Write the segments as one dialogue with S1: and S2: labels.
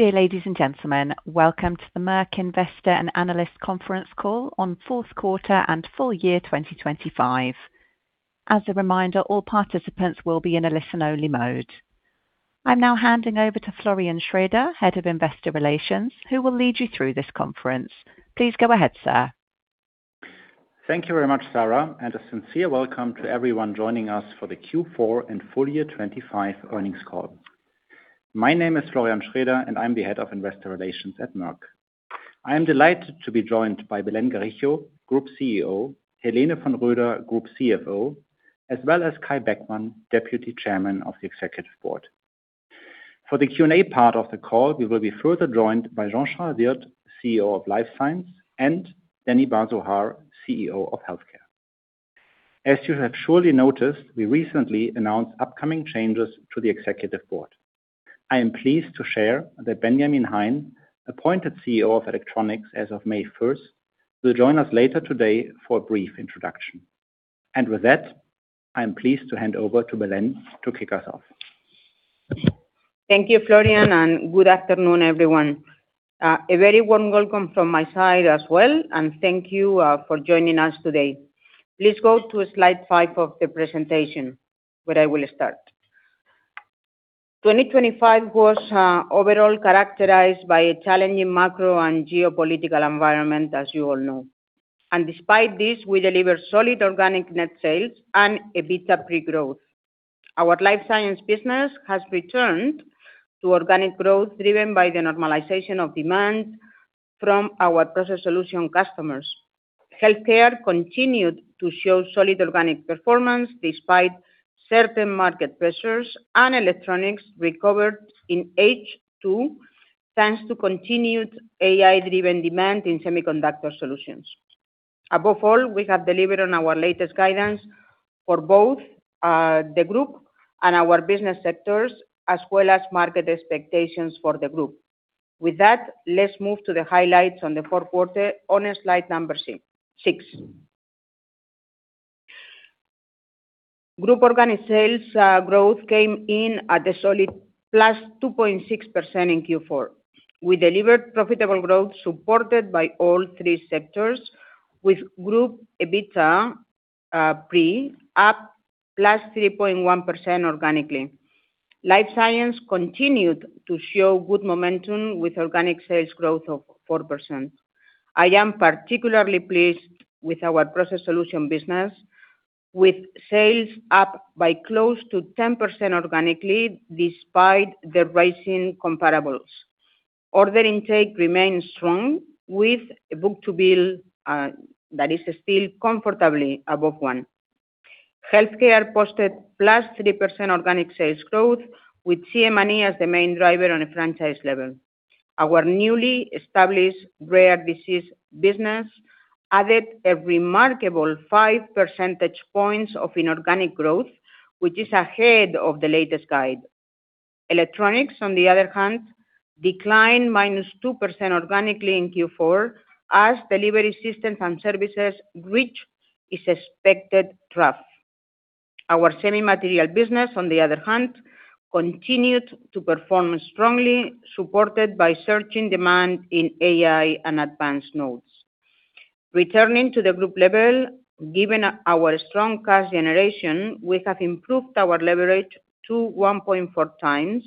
S1: Dear ladies and gentlemen, welcome to the Merck Investor and Analyst Conference Call on fourth quarter and full year 2025. As a reminder, all participants will be in a listen-only mode. I'm now handing over to Florian Schroeder, Head of Investor Relations, who will lead you through this conference. Please go ahead, sir.
S2: Thank you very much, Sarah. A sincere welcome to everyone joining us for the Q4 and full year 25 earnings call. My name is Florian Schroeder, and I'm the Head of Investor Relations at Merck. I am delighted to be joined by Belén Garijo, Group CEO, Helene von Roeder, Group CFO, as well as Kai Beckmann, Deputy Chairman of the Executive Board. For the Q&A part of the call, we will be further joined by Jean-Charles Wirth, CEO of Life Science, and Danny Bar-Zohar, CEO of Healthcare. As you have surely noticed, we recently announced upcoming changes to the executive board. I am pleased to share that Benjamin Hein, appointed CEO of Electronics as of May first, will join us later today for a brief introduction. With that, I am pleased to hand over to Belén to kick us off.
S3: Thank you, Florian, and good afternoon, everyone. A very warm welcome from my side as well, and thank you for joining us today. Please go to slide 5 of the presentation, where I will start. 2025 was overall characterized by a challenging macro and geopolitical environment, as you all know, and despite this, we delivered solid organic net sales and EBITDA pre growth. Our Life Science business has returned to organic growth, driven by the normalization of demand from our Process Solutions customers. Healthcare continued to show solid organic performance despite certain market pressures, and Electronics recovered in H2, thanks to continued AI-driven demand in Semiconductor Solutions. Above all, we have delivered on our latest guidance for both the group and our business sectors, as well as market expectations for the group. With that, let's move to the highlights on the fourth quarter on slide number six. Group organic sales growth came in at a solid +2.6% in Q4. We delivered profitable growth supported by all three sectors with group EBITDA pre up +3.1% organically. Life Science continued to show good momentum with organic sales growth of 4%. I am particularly pleased with our Process Solutions business with sales up by close to 10% organically, despite the rising comparables. Order intake remains strong with a book to bill that is still comfortably above one. Healthcare posted +3% organic sales growth, with CM&E as the main driver on a franchise level. Our newly established rare disease business added a remarkable five percentage points of inorganic growth, which is ahead of the latest guide. Electronics, on the other hand, declined -2% organically in Q4 as delivery systems and services reached its expected trough. Our Semiconductor Materials business, on the other hand, continued to perform strongly, supported by searching demand in AI and advanced nodes. Returning to the group level, given our strong cash generation, we have improved our leverage to 1.4x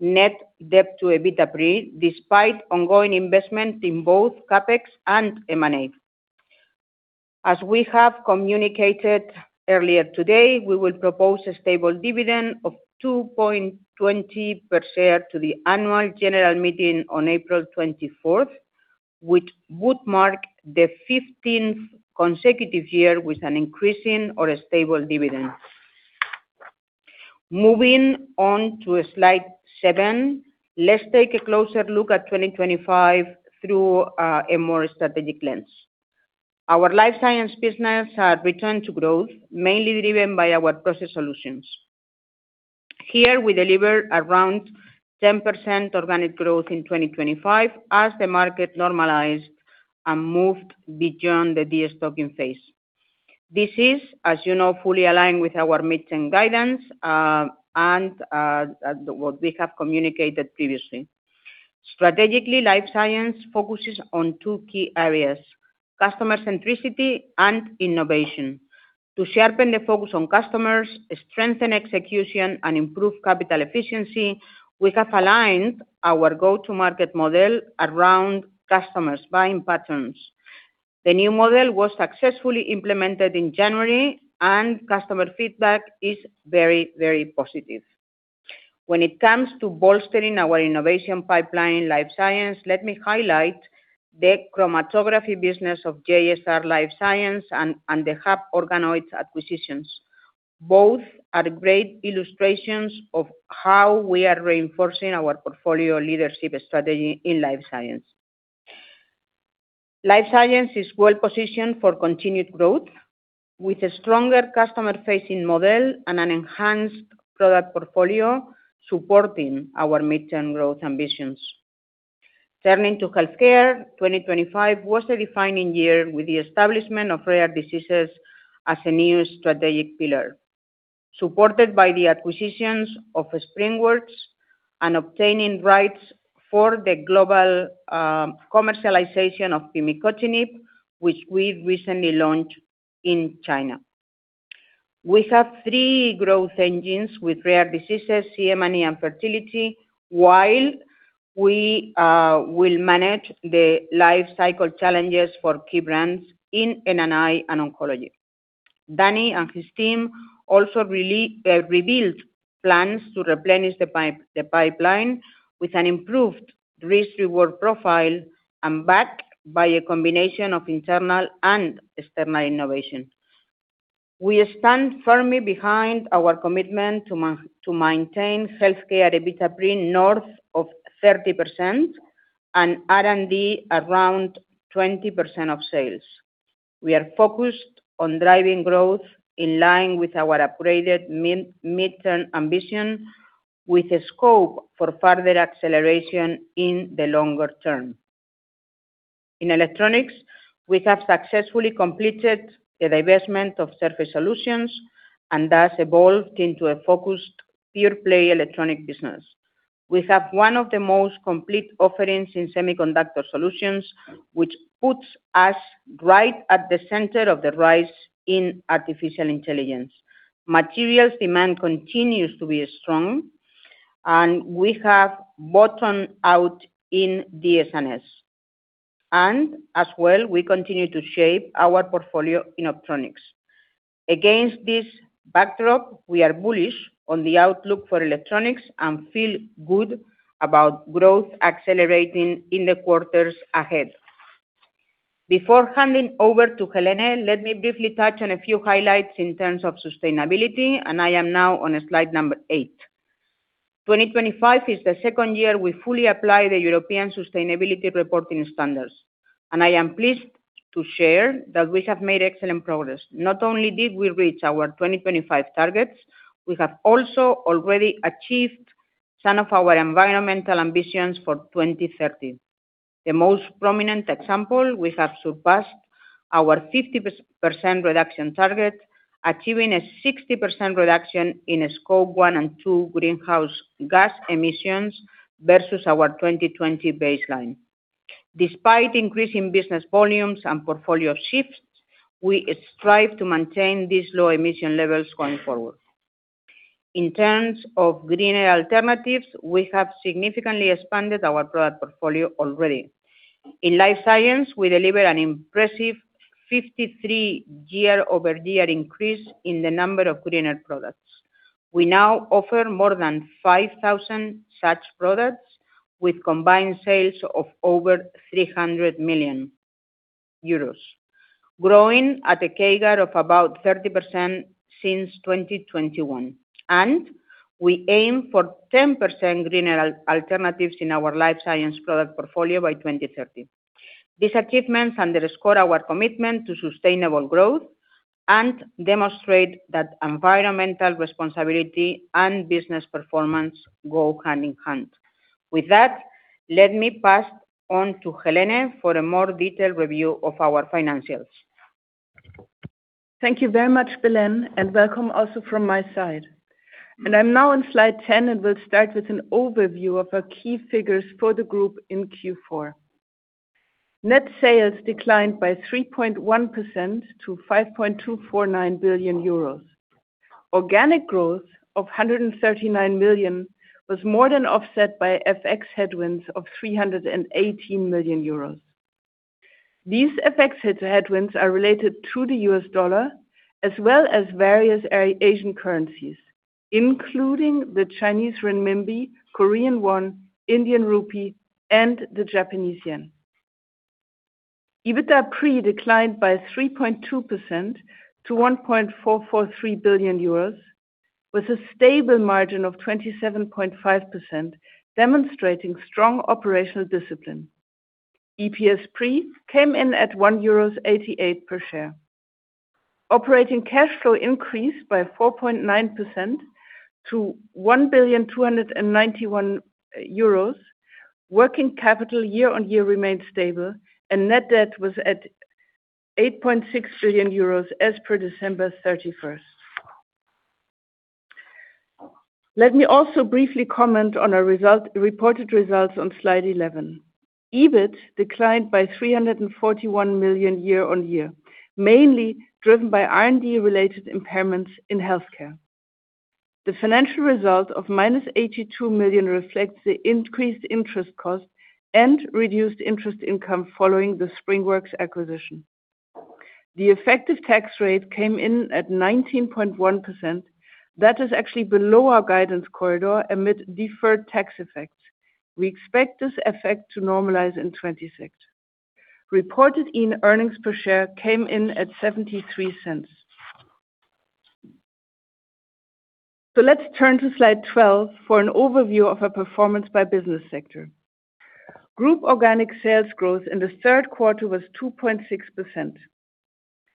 S3: net debt to EBITDA pre, despite ongoing investment in both CapEx and M&A. As we have communicated earlier today, we will propose a stable dividend of 2.20 per share to the annual general meeting on April 24th, which would mark the 15th consecutive year with an increasing or a stable dividend. Moving on to slide 7, let's take a closer look at 2025 through a more strategic lens. Our Life Science business has returned to growth, mainly driven by our Process Solutions. Here we deliver around 10% organic growth in 2025 as the market normalized and moved beyond the de-stocking phase. This is, as you know, fully aligned with our mid-term guidance, and what we have communicated previously. Strategically, Life Science focuses on two key areas: customer centricity and innovation. To sharpen the focus on customers, strengthen execution, and improve capital efficiency, we have aligned our go-to-market model around customers' buying patterns. The new model was successfully implemented in January, customer feedback is very, very positive. When it comes to bolstering our innovation pipeline in Life Science, let me highlight the chromatography business of JSR Life Science and the HUB Organoids acquisitions. Both are great illustrations of how we are reinforcing our portfolio leadership strategy in Life Science. Life science is well-positioned for continued growth with a stronger customer-facing model and an enhanced product portfolio supporting our mid-term growth ambitions. Turning to healthcare, 2025 was a defining year with the establishment of rare diseases as a new strategic pillar, supported by the acquisitions of SpringWorks and obtaining rights for the global commercialization of pimicotinib, which we recently launched in China. We have three growth engines with rare diseases, CMN, and fertility, while we will manage the life cycle challenges for key brands in NNI and oncology. Danny and his team also revealed plans to replenish the pipeline with an improved risk reward profile and backed by a combination of internal and external innovation. We stand firmly behind our commitment to maintain healthcare EBITDA pre north of 30% and R&D around 20% of sales. We are focused on driving growth in line with our upgraded midterm ambition, with a scope for further acceleration in the longer term. In electronics, we have successfully completed the divestment of Surface Solutions and thus evolved into a focused pure-play electronic business. We have one of the most complete offerings in Semiconductor Solutions, which puts us right at the center of the rise in artificial intelligence. Materials demand continues to be strong, we have bottomed out in the SNS. As well, we continue to shape our portfolio in Optronics. Against this backdrop, we are bullish on the outlook for electronics and feel good about growth accelerating in the quarters ahead. Before handing over to Helene, let me briefly touch on a few highlights in terms of sustainability, I am now on slide number eight. 2025 is the second year we fully apply the European Sustainability Reporting Standards, and I am pleased to share that we have made excellent progress. Not only did we reach our 2025 targets, we have also already achieved some of our environmental ambitions for 2030. The most prominent example, we have surpassed our 50% reduction target, achieving a 60% reduction in Scope 1 and 2 greenhouse gas emissions versus our 2020 baseline. Despite increasing business volumes and portfolio shifts, we strive to maintain these low emission levels going forward. In terms of greener alternatives, we have significantly expanded our product portfolio already. In Life Science, we deliver an impressive 53 year-over-year increase in the number of greener products. We now offer more than 5,000 such products with combined sales of over 300 million euros, growing at a CAGR of about 30% since 2021. We aim for 10% greener alternatives in our Life Science product portfolio by 2030. These achievements underscore our commitment to sustainable growth and demonstrate that environmental responsibility and business performance go hand in hand. With that, let me pass on to Helene for a more detailed review of our financials.
S4: Thank you very much, Belén, and welcome also from my side. I'm now on slide 10 and will start with an overview of our key figures for the group in Q4. Net sales declined by 3.1% to 5.249 billion euros. Organic growth of 139 million was more than offset by FX headwinds of 318 million euros. These FX headwinds are related to the US dollar as well as various Asian currencies, including the Chinese renminbi, Korean won, Indian rupee, and the Japanese yen. EBITDA pre declined by 3.2% to 1.443 billion euros with a stable margin of 27.5%, demonstrating strong operational discipline. EPS pre came in at 1.88 euros per share. Operating cash flow increased by 4.9% to 1,000,000,291 euros. Working capital year-on-year remained stable. Net debt was at 8.6 billion euros as per December 31st. Let me also briefly comment on our result, reported results on slide 11. EBIT declined by 341 million year-on-year, mainly driven by R&D-related impairments in Healthcare. The financial result of -82 million reflects the increased interest cost and reduced interest income following the SpringWorks acquisition. The effective tax rate came in at 19.1%. That is actually below our guidance corridor amid deferred tax effects. We expect this effect to normalize in 2060. Reported earnings per share came in at 0.73. Let's turn to slide 12 for an overview of our performance by business sector. Group organic sales growth in the third quarter was 2.6%.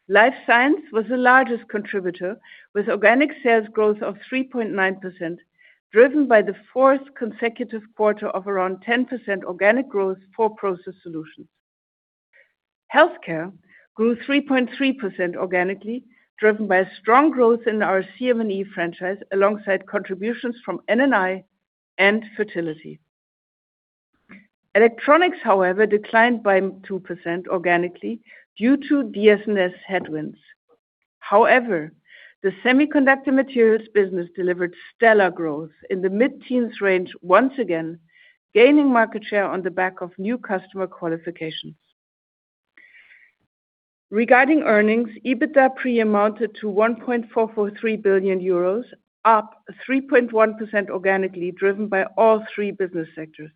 S4: Life Science was the largest contributor, with organic sales growth of 3.9%, driven by the fourth consecutive quarter of around 10% organic growth for Process Solutions. Healthcare grew 3.3% organically, driven by strong growth in our CM&E franchise, alongside contributions from NNI and fertility. Electronics declined by 2% organically due to DS&S headwinds. The Semiconductor Materials business delivered stellar growth in the mid-teens range once again, gaining market share on the back of new customer qualifications. Regarding earnings, EBITDA pre amounted to 1.443 billion euros, up 3.1% organically, driven by all three business sectors.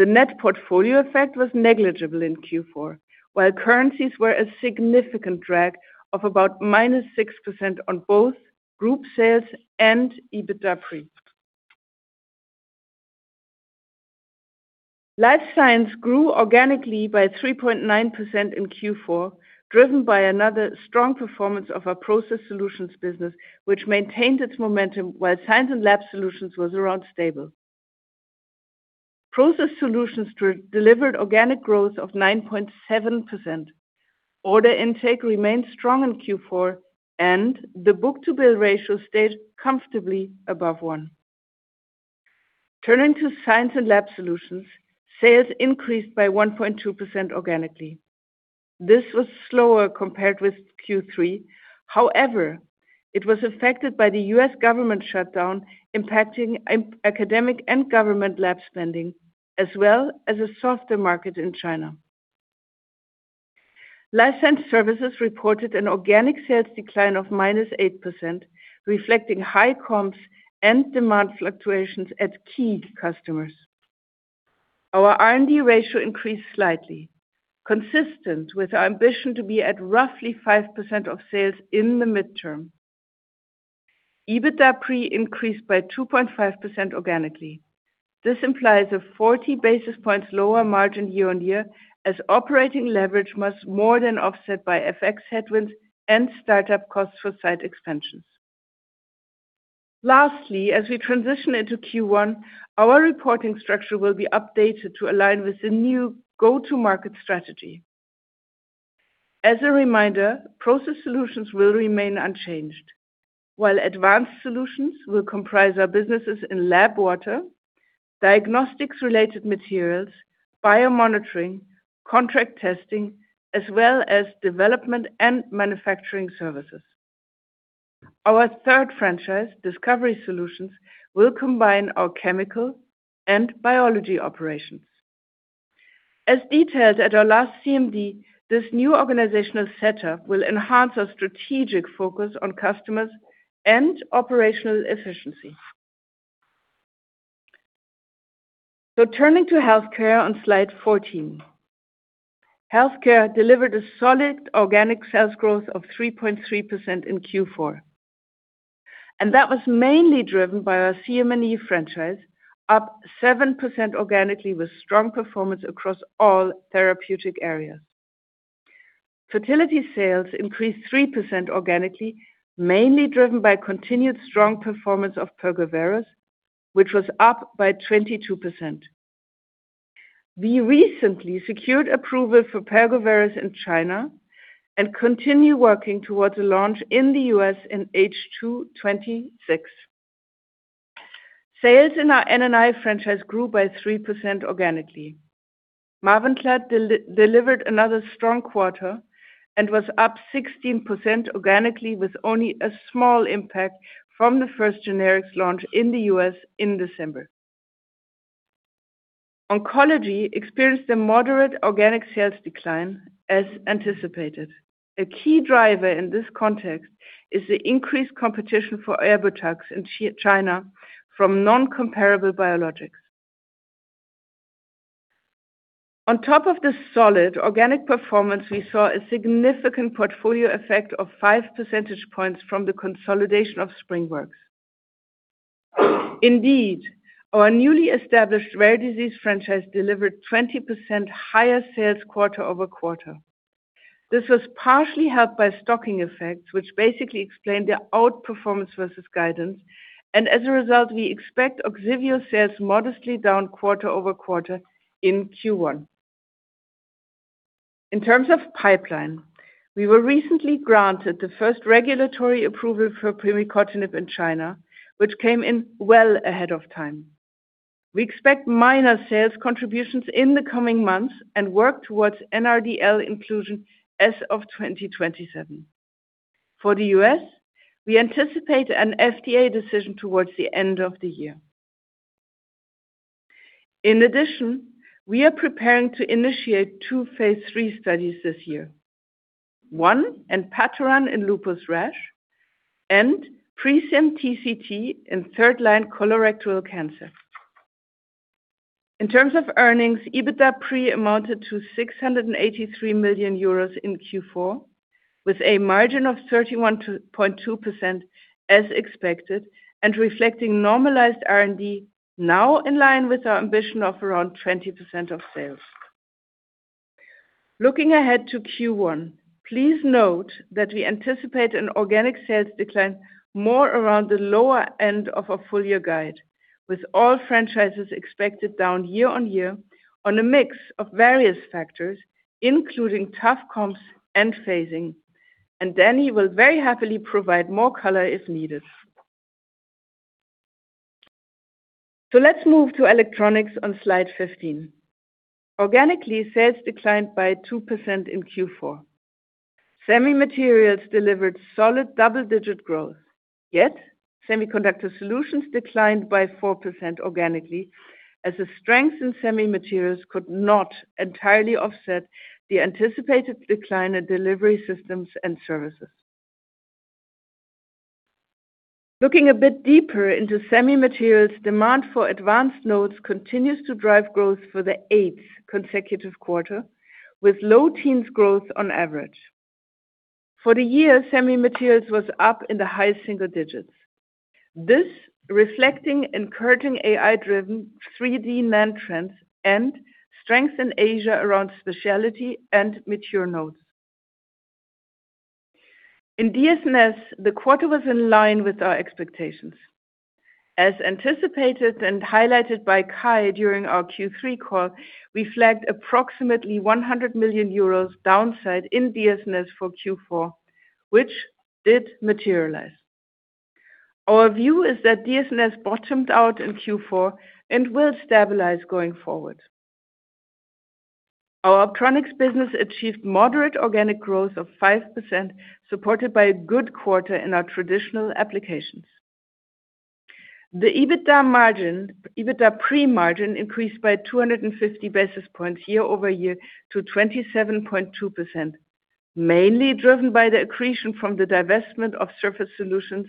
S4: The net portfolio effect was negligible in Q4, while currencies were a significant drag of about -6% on both group sales and EBITDA pre. Life Science grew organically by 3.9% in Q4, driven by another strong performance of our Process Solutions business, which maintained its momentum while Science & Lab Solutions was around stable. Process Solutions delivered organic growth of 9.7%. Order intake remained strong in Q4 and the book-to-bill ratio stayed comfortably above one. Turning to Science & Lab Solutions, sales increased by 1.2% organically. This was slower compared with Q3. However, it was affected by the U.S. government shutdown, impacting academic and government lab spending, as well as a softer market in China. Life Science Services reported an organic sales decline of -8%, reflecting high comps and demand fluctuations at key customers. Our R&D ratio increased slightly, consistent with our ambition to be at roughly 5% of sales in the midterm. EBITDA pre increased by 2.5% organically. This implies a 40 basis points lower margin year-on-year as operating leverage was more than offset by FX headwinds and start-up costs for site expansions. As we transition into Q1, our reporting structure will be updated to align with the new go-to-market strategy. As a reminder, Process Solutions will remain unchanged. Advanced Solutions will comprise our businesses in lab water, diagnostics-related materials, biomonitoring, contract testing, as well as development and manufacturing services. Our third franchise, Discovery Solutions, will combine our chemical and biology operations. As detailed at our last CMD, this new organizational setup will enhance our strategic focus on customers and operational efficiency. Turning to Healthcare on slide 14. Healthcare delivered a solid organic sales growth of 3.3% in Q4, that was mainly driven by our CM&E franchise, up 7% organically with strong performance across all therapeutic areas. Fertility sales increased 3% organically, mainly driven by continued strong performance of Pergoveris, which was up by 22%. We recently secured approval for Pergoveris in China and continue working towards a launch in the U.S. in H2 '26. Sales in our NNI franchise grew by 3% organically. MAVENCLAD delivered another strong quarter and was up 16% organically, with only a small impact from the first generics launch in the U.S. in December. Oncology experienced a moderate organic sales decline as anticipated. A key driver in this context is the increased competition for ERBITUX in China from non-comparable biologics. On top of the solid organic performance, we saw a significant portfolio effect of 5 percentage points from the consolidation of SpringWorks. Our newly established rare disease franchise delivered 20% higher sales quarter over quarter. This was partially helped by stocking effects, which basically explained their outperformance versus guidance, and as a result, we expect OGSIVEO sales modestly down quarter-over-quarter in Q1. In terms of pipeline, we were recently granted the first regulatory approval for pimicotinib in China, which came in well ahead of time. We expect minor sales contributions in the coming months and work towards NRDL inclusion as of 2027. For the U.S., we anticipate an FDA decision towards the end of the year. In addition, we are preparing to initiate two phase III studies this year. One, enpatoran in lupus rash, and PreCim TCT in third line colorectal cancer. In terms of earnings, EBITDA pre amounted to 683 million euros in Q4, with a margin of 31.2% as expected, reflecting normalized R&D now in line with our ambition of around 20% of sales. Looking ahead to Q1, please note that we anticipate an organic sales decline more around the lower end of our full-year guide, with all franchises expected down year-on-year on a mix of various factors, including tough comps and phasing. Danny will very happily provide more color if needed. Let's move to Electronics on slide 15. Organically, sales declined by 2% in Q4. Semi Materials delivered solid double-digit growth. Semiconductor Solutions declined by 4% organically, as the strength in Semi Materials could not entirely offset the anticipated decline in delivery systems and services. Looking a bit deeper into Semiconductor Materials, demand for advanced nodes continues to drive growth for the 8th consecutive quarter, with low teens growth on average. For the year, Semiconductor Materials was up in the high single digits. This reflecting encouraging AI-driven 3D demand trends and strength in Asia around specialty and mature nodes. In DSMS, the quarter was in line with our expectations. As anticipated and highlighted by Kai during our Q3 call, we flagged approximately 100 million euros downside in DSMS for Q4, which did materialize. Our view is that DSMS bottomed out in Q4 and will stabilize going forward. Our Optronics business achieved moderate organic growth of 5%, supported by a good quarter in our traditional applications. The EBITDA pre-margin increased by 250 basis points year-over-year to 27.2%, mainly driven by the accretion from the divestment of Surface Solutions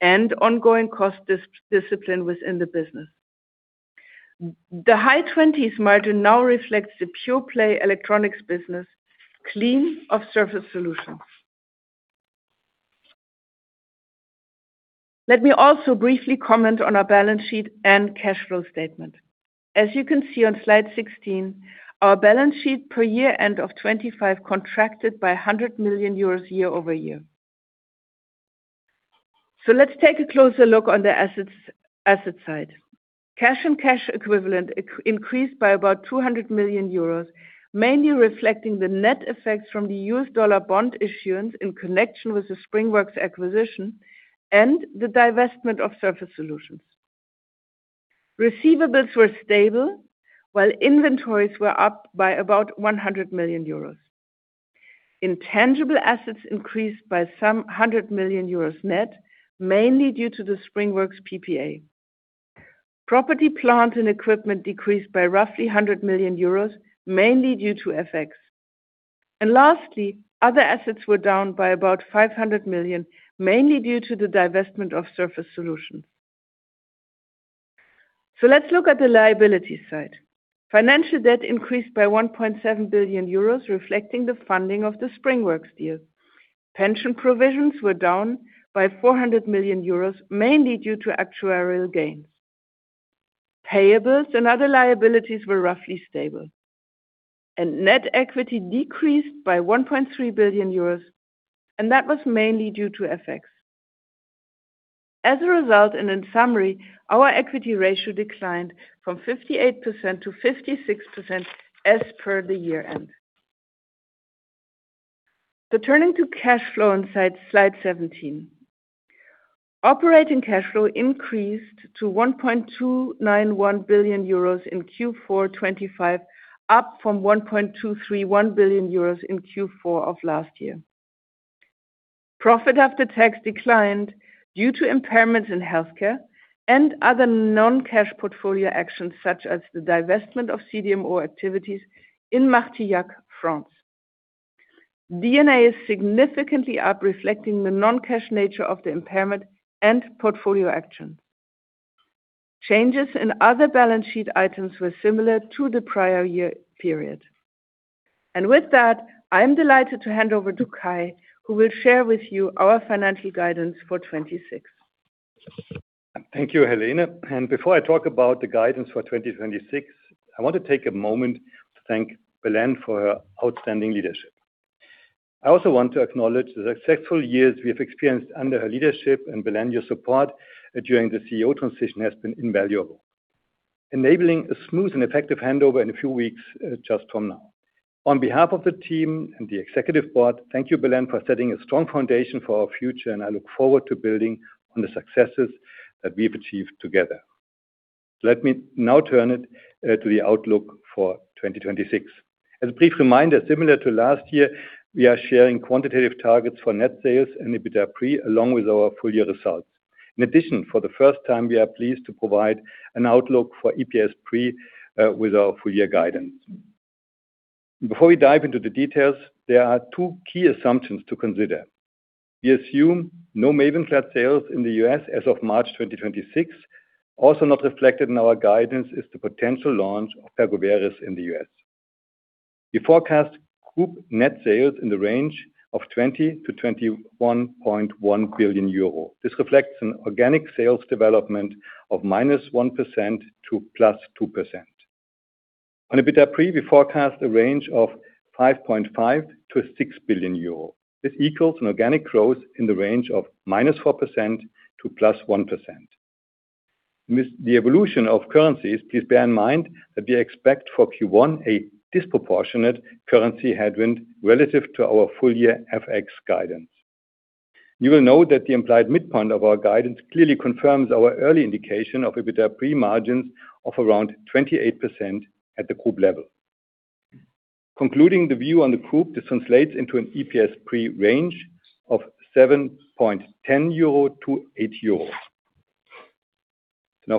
S4: and ongoing cost dis-discipline within the business. The high twenties margin now reflects the pure-play electronics business clean of Surface Solutions. Let me also briefly comment on our balance sheet and cash flow statement. As you can see on slide 16, our balance sheet per year end of 2025 contracted by EUR 100 million year-over-year. Let's take a closer look on the asset side. Cash and cash equivalent increased by about 200 million euros, mainly reflecting the net effects from the US dollar bond issuance in connection with the SpringWorks acquisition and the divestment of Surface Solutions. Receivables were stable, while inventories were up by about 100 million euros. Intangible assets increased by some 100 million euros net, mainly due to the SpringWorks PPA. Property, plant, and equipment decreased by roughly 100 million euros, mainly due to FX. Lastly, other assets were down by about 500 million, mainly due to the divestment of Surface Solutions. Let's look at the liability side. Financial debt increased by 1.7 billion euros, reflecting the funding of the SpringWorks deal. Pension provisions were down by 400 million euros, mainly due to actuarial gains. Payables and other liabilities were roughly stable. Net equity decreased by 1.3 billion euros, and that was mainly due to FX. As a result, in summary, our equity ratio declined from 58% to 56% as per the year end. Turning to cash flow on slide 17. Operating cash flow increased to 1.291 billion euros in Q4 2025, up from 1.231 billion euros in Q4 of last year. Profit after tax declined due to impairments in Healthcare and other non-cash portfolio actions such as the divestment of CDMO activities in Martillac, France. D&A is significantly up, reflecting the non-cash nature of the impairment and portfolio actions. Changes in other balance sheet items were similar to the prior year period. With that, I am delighted to hand over to Kai, who will share with you our financial guidance for 2026.
S5: Thank you, Helene. Before I talk about the guidance for 2026, I want to take a moment to thank Belén for her outstanding leadership. I also want to acknowledge the successful years we have experienced under her leadership. Belén, your support during the CEO transition has been invaluable, enabling a smooth and effective handover in a few weeks just from now. On behalf of the team and the executive board, thank you, Belén, for setting a strong foundation for our future. I look forward to building on the successes that we've achieved together. Let me now turn it to the outlook for 2026. As a brief reminder, similar to last year, we are sharing quantitative targets for net sales and EBITDA pre along with our full-year results. In addition, for the first time, we are pleased to provide an outlook for EPS pre with our full-year guidance. Before we dive into the details, there are two key assumptions to consider. We assume no MAVENCLAD sales in the U.S. as of March 2026. Also not reflected in our guidance is the potential launch of Pegvuregis in the U.S. We forecast group net sales in the range of 20 billion-21.1 billion euro. This reflects an organic sales development of -1% to +2%. On EBITDA pre, we forecast a range of 5.5 billion-6 billion euro. This equals an organic growth in the range of -4% to +1%. With the evolution of currencies, please bear in mind that we expect for Q1 a disproportionate currency headwind relative to our full-year FX guidance. You will note that the implied midpoint of our guidance clearly confirms our early indication of EBITDA pre margins of around 28% at the group level. Concluding the view on the group, this translates into an EPS pre range of 7.10-8 euro.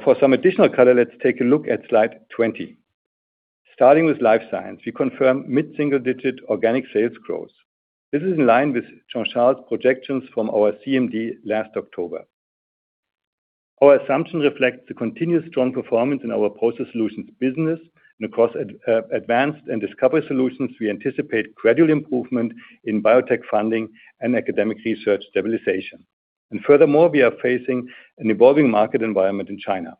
S5: For some additional color, let's take a look at slide 20. Starting with Life Science, we confirm mid-single digit organic sales growth. This is in line with Jean-Charles projections from our CMD last October. Our assumption reflects the continuous strong performance in our Process Solutions business and across Advanced and Discovery Solutions, we anticipate gradual improvement in biotech funding and academic research stabilization. Furthermore, we are facing an evolving market environment in China.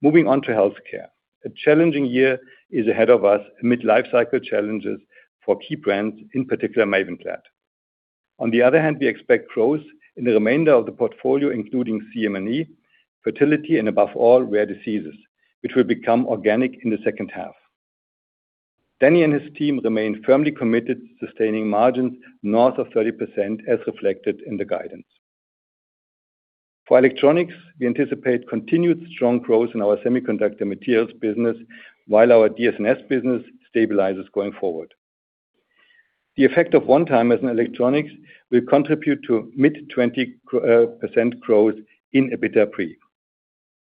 S5: Moving on to Healthcare. A challenging year is ahead of us amid life cycle challenges for key brands, in particular MAVENCLAD. We expect growth in the remainder of the portfolio, including CM&E, fertility and above all, rare diseases, which will become organic in the second half. Danny and his team remain firmly committed to sustaining margins north of 30%, as reflected in the guidance. For Electronics, we anticipate continued strong growth in our Semiconductor Materials business while our DS&S business stabilizes going forward. The effect of one time as an electronics will contribute to mid-20% growth in EBITDA pre.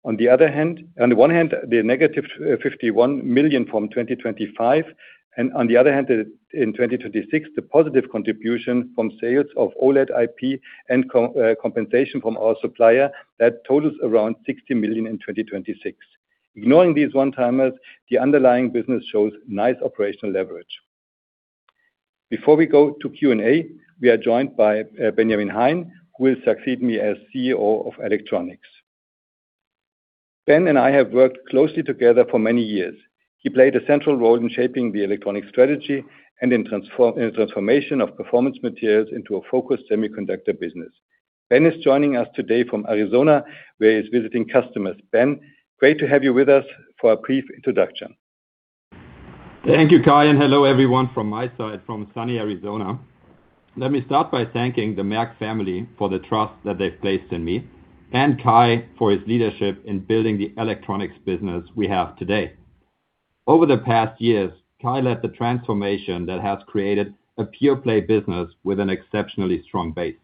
S5: On the one hand, the negative 51 million from 2025, on the other hand, in 2026, the positive contribution from sales of OLED IP and compensation from our supplier that totals around 60 million in 2026. Ignoring these one-timers, the underlying business shows nice operational leverage. Before we go to Q&A, we are joined by Benjamin Hein, who will succeed me as CEO of Electronics. Ben and I have worked closely together for many years. He played a central role in shaping the Electronics strategy and in the transformation of performance materials into a focused semiconductor business. Ben is joining us today from Arizona, where he's visiting customers. Ben, great to have you with us for a brief introduction.
S6: Thank you, Kai, and hello everyone from my side from sunny Arizona. Let me start by thanking the Merck family for the trust that they've placed in me and Kai for his leadership in building the Electronics business we have today. Over the past years, Kai led the transformation that has created a pure play business with an exceptionally strong base.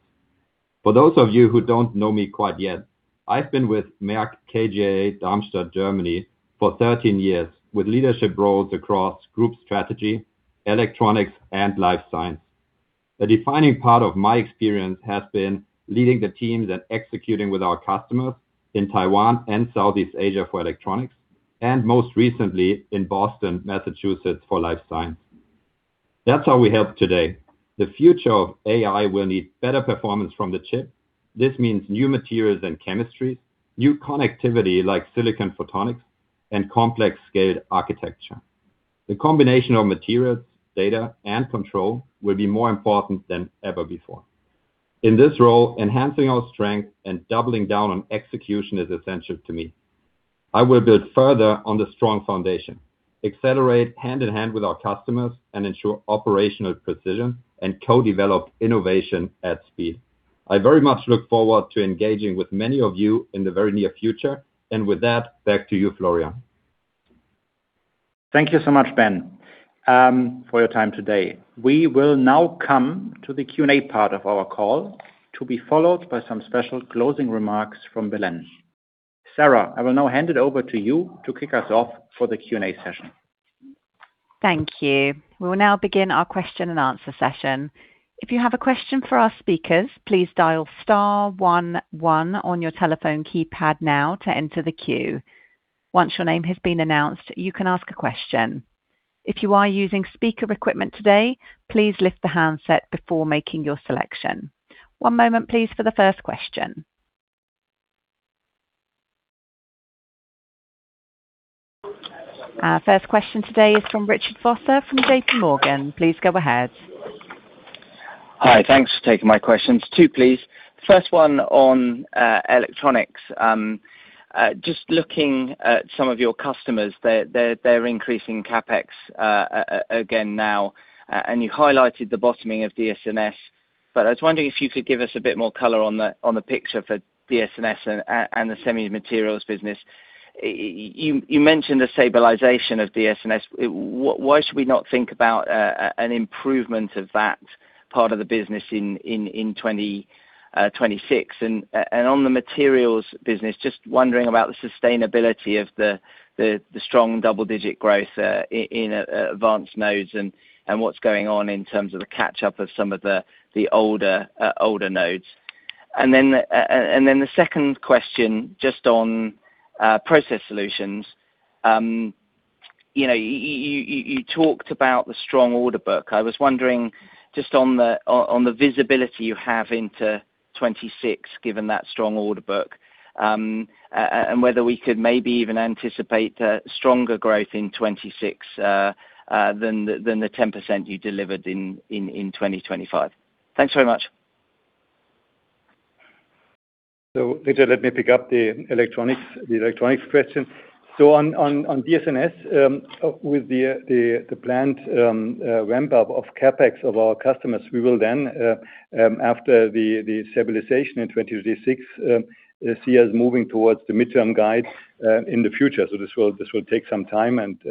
S6: For those of you who don't know me quite yet, I've been with Merck KGaA, Darmstadt, Germany for 13 years, with leadership roles across group strategy, Electronics and Life Science. A defining part of my experience has been leading the teams and executing with our customers in Taiwan and Southeast Asia for Electronics, and most recently in Boston, Massachusetts, for Life Science. That's how we help today. The future of AI will need better performance from the chip. This means new materials and chemistries, new connectivity like silicon photonics and complex scaled architecture. The combination of materials, data and control will be more important than ever before. In this role, enhancing our strength and doubling down on execution is essential to me. I will build further on the strong foundation, accelerate hand in hand with our customers, and ensure operational precision and co-develop innovation at speed. I very much look forward to engaging with many of you in the very near future. With that, back to you, Florian.
S2: Thank you so much, Ben, for your time today. We will now come to the Q&A part of our call to be followed by some special closing remarks from Belén. Sarah, I will now hand it over to you to kick us off for the Q&A session.
S1: Thank you. We will now begin our question and answer session. If you have a question for our speakers, please dial star one one on your telephone keypad now to enter the queue. Once your name has been announced, you can ask a question. If you are using speaker equipment today, please lift the handset before making your selection. One moment please for the first question. Our first question today is from Richard Vosser from J.P. Morgan. Please go ahead.
S7: Hi. Thanks for taking my questions. Two, please. First one on electronics. Just looking at some of your customers, they're increasing CapEx again now, and you highlighted the bottoming of DS&S, but I was wondering if you could give us a bit more color on the picture for DS&S and the Semiconductor Materials business. You mentioned the stabilization of DS&S. Why should we not think about an improvement of that part of the business in 2026? On the materials business, just wondering about the sustainability of the strong double digit growth in advanced nodes and what's going on in terms of the catch up of some of the older nodes. Then the second question, just on Process Solutions. you know, you talked about the strong order book. I was wondering just on the visibility you have into 26, given that strong order book, and whether we could maybe even anticipate stronger growth in 26 than the 10% you delivered in 2025. Thanks very much.
S5: Richard, let me pick up the electronics question. On DS&S, with the planned ramp-up of CapEx of our customers, we will after the stabilization in 2026 see us moving towards the midterm guide in the future. This will take some time, and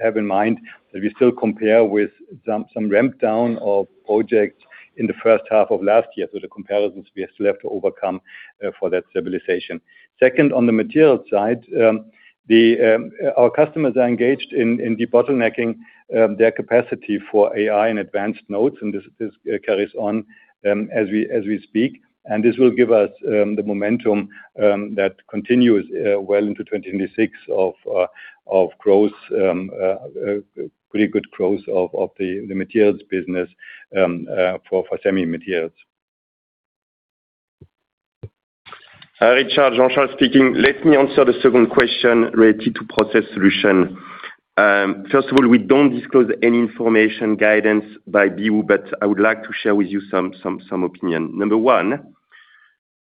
S5: have in mind that we still compare with some ramp down of projects in the first half of last year. The comparisons we still have to overcome for that stabilization. Second, on the material side, our customers are engaged in debottlenecking their capacity for AI and advanced nodes, and this carries on as we speak. This will give us the momentum that continues well into 2026 of growth, pretty good growth of the materials business for semi materials.
S8: Hi, Richard. Jean-Charles speaking. Let me answer the second question related to Process Solutions. First of all, we don't disclose any information guidance by BU, but I would like to share with you some opinion. Number one,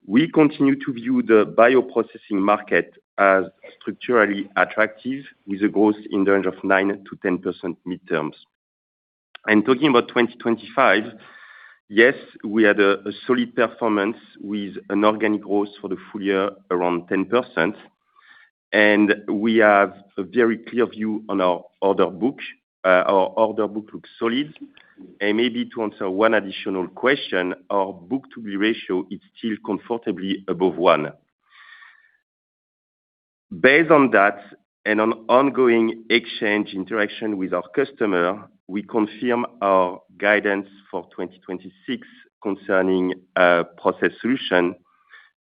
S8: we continue to view the bioprocessing market as structurally attractive with a growth in the range of 9%-10% midterms. Talking about 2025, yes, we had a solid performance with an organic growth for the full year around 10%. We have a very clear view on our order book. Our order book looks solid. Maybe to answer one additional question, our book-to-bill ratio is still comfortably above 1. Based on that and on ongoing exchange interaction with our customer, we confirm our guidance for 2026 concerning Process Solutions,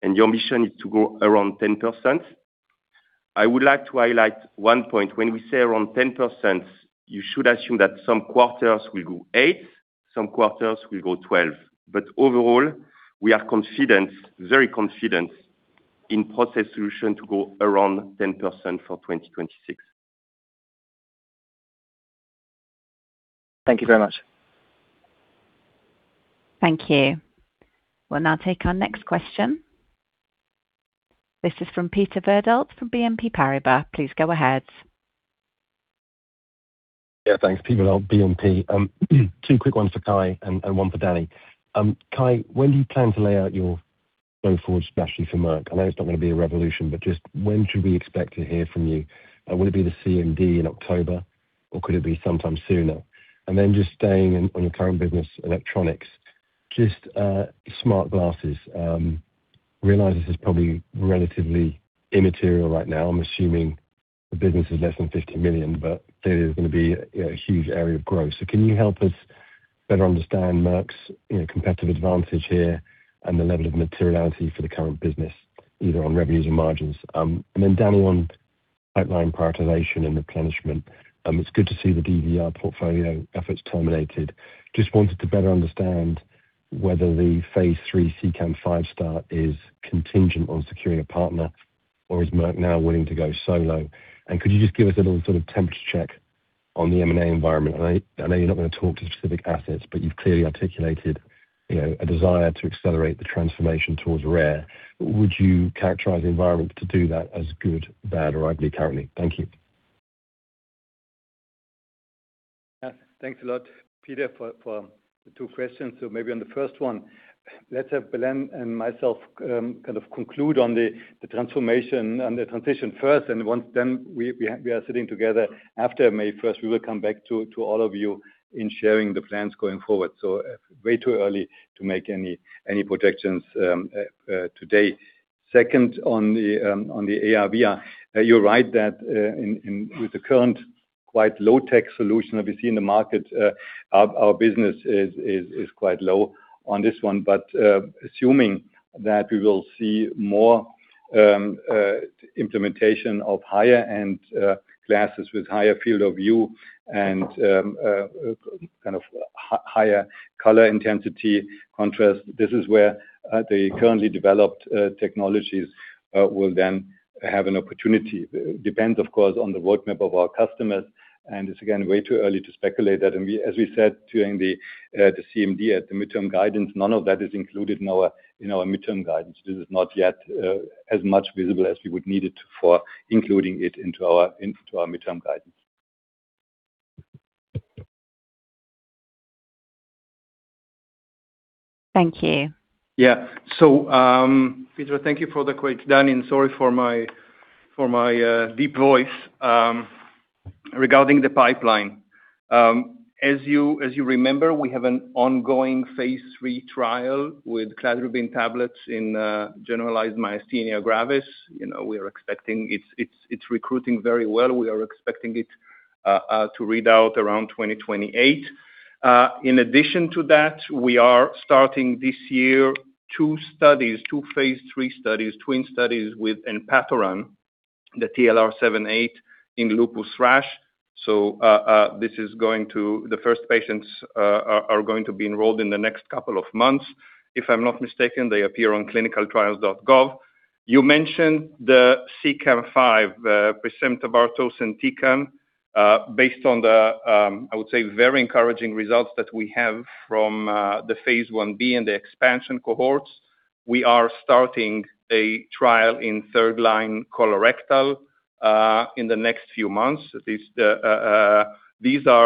S8: and your mission is to go around 10%. I would like to highlight one point. When we say around 10%, you should assume that some quarters will go 8, some quarters will go 12. Overall, we are confident, very confident in Process Solutions to go around 10% for 2026.
S7: Thank you very much.
S1: Thank you. We'll now take our next question. This is from Peter Verdult from BNP Paribas. Please go ahead.
S9: Yeah, thanks. Peter Verdult, BNP. Two quick ones for Kai and one for Danny. Kai, when do you plan to lay out your go-forward strategy for Merck? I know it's not gonna be a revolution, but just when should we expect to hear from you? Will it be the CMD in October, or could it be sometime sooner? Just staying on the current business Electronics, just smart glasses. Realize this is probably relatively immaterial right now. I'm assuming the business is less than $50 million, but clearly is gonna be a huge area of growth. Can you help us better understand Merck's, you know, competitive advantage here and the level of materiality for the current business, either on revenues or margins? Danny, on pipeline prioritization and replenishment, it's good to see the DVR portfolio efforts terminated. Just wanted to better understand whether the phase III CEACAM5 is contingent on securing a partner or is Merck now willing to go solo? Could you just give us a little sort of temperature check on the M&A environment? I know, I know you're not gonna talk to specific assets, but you've clearly articulated, you know, a desire to accelerate the transformation towards rare. Would you characterize the environment to do that as good, bad or ugly currently? Thank you.
S5: Thanks a lot, Peter, for the 2 questions. Maybe on the first one, let's have Belén and myself kind of conclude on the transformation and the transition first, and once then we are sitting together after May 1st, we will come back to all of you in sharing the plans going forward. Way too early to make any projections today. Second, on the ARVR, you're right that with the current quite low tech solution that we see in the market, our business is quite low on this one. Assuming that we will see more implementation of higher-end glasses with higher field of view and kind of higher color intensity contrast, this is where the currently developed technologies will then have an opportunity. Depends, of course, on the roadmap of our customers, and it's again, way too early to speculate that. We, as we said during the CMD at the midterm guidance, none of that is included in our, in our midterm guidance. This is not yet as much visible as we would need it for including it into our, into our midterm guidance.
S1: Thank you.
S10: Yeah. Peter, thank you for the quick. Danny, sorry for my deep voice. Regarding the pipeline, as you remember, we have an ongoing phase III trial with cladribine tablets in generalized myasthenia gravis. You know, we are expecting it's recruiting very well. We are expecting it to read out around 2028. In addition to that, we are starting this year 2 studies, 2 phase III studies, twin studies with enpatoran TLR7/8 in lupus rash. This is going to be enrolled in the next couple of months. If I'm not mistaken, they appear on ClinicalTrials.gov. You mentioned the CEACAM5 precemtabart tocentecan. Based on the, I would say, very encouraging results that we have from the phase I-B and the expansion cohorts. We are starting a trial in 3rd line colorectal in the next few months. These are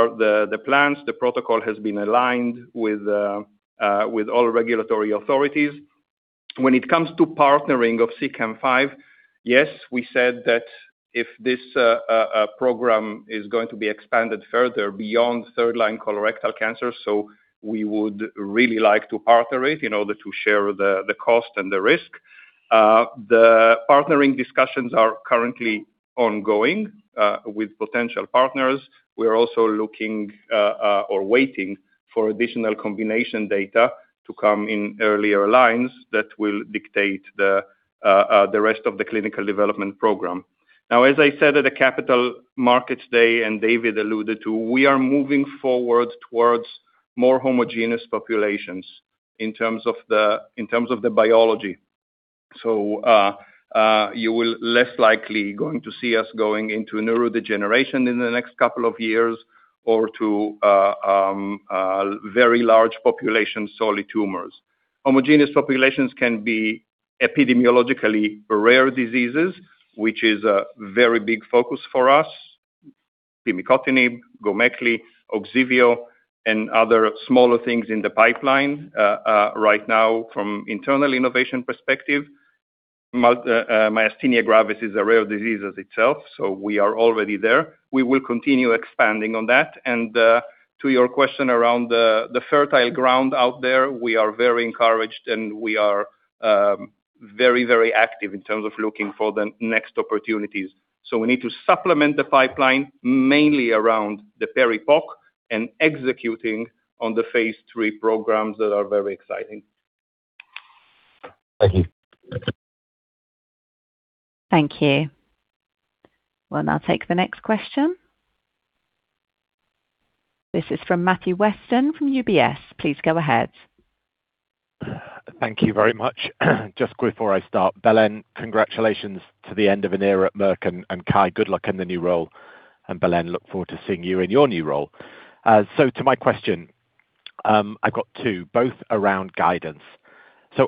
S10: the plans. The protocol has been aligned with all regulatory authorities. When it comes to partnering of CEACAM5, yes, we said that if this program is going to be expanded further beyond third line colorectal cancer, we would really like to partner it, you know, to share the cost and the risk. The partnering discussions are currently ongoing with potential partners. We are also looking or waiting for additional combination data to come in earlier lines that will dictate the rest of the clinical development program. Now, as I said at the Capital Markets Day, and David alluded too, we are moving forward towards more homogeneous populations in terms of the, in terms of the biology. You will less likely going to see us going into neurodegeneration in the next couple of years or to very large population solid tumors. Homogeneous populations can be epidemiologically rare diseases, which is a very big focus for us. Pimicotinib, GOMEKLI, OGSIVEO, and other smaller things in the pipeline right now from internal innovation perspective. Myasthenia gravis is a rare disease as itself, so we are already there. We will continue expanding on that. To your question around the fertile ground out there, we are very encouraged and we are very, very active in terms of looking for the next opportunities. We need to supplement the pipeline mainly around the peri-poc and executing on the phase III programs that are very exciting.
S9: Thank you.
S1: Thank you. We'll now take the next question. This is from Matthew Weston from UBS. Please go ahead.
S11: Thank you very much. Just before I start, Belén, congratulations to the end of an era at Merck, and Kai, good luck in the new role. Belén, look forward to seeing you in your new role. To my question, I've got 2, both around guidance.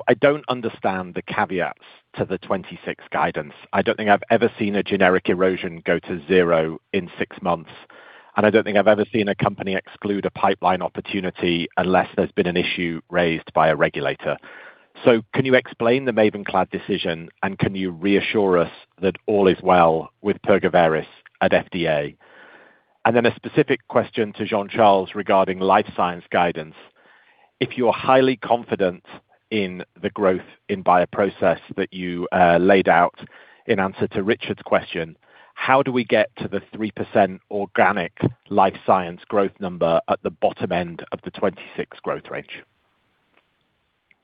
S11: I don't understand the caveats to the 2026 guidance. I don't think I've ever seen a generic erosion go to 0 in 6 months, and I don't think I've ever seen a company exclude a pipeline opportunity unless there's been an issue raised by a regulator. Can you explain the MAVENCLAD decision, and can you reassure us that all is well with Pergoveris at FDA? Then a specific question to Jean-Charles regarding Life Science guidance. If you're highly confident in the growth in bioprocess that you laid out in answer to Richard's question, how do we get to the 3% organic life science growth number at the bottom end of the 26 growth range?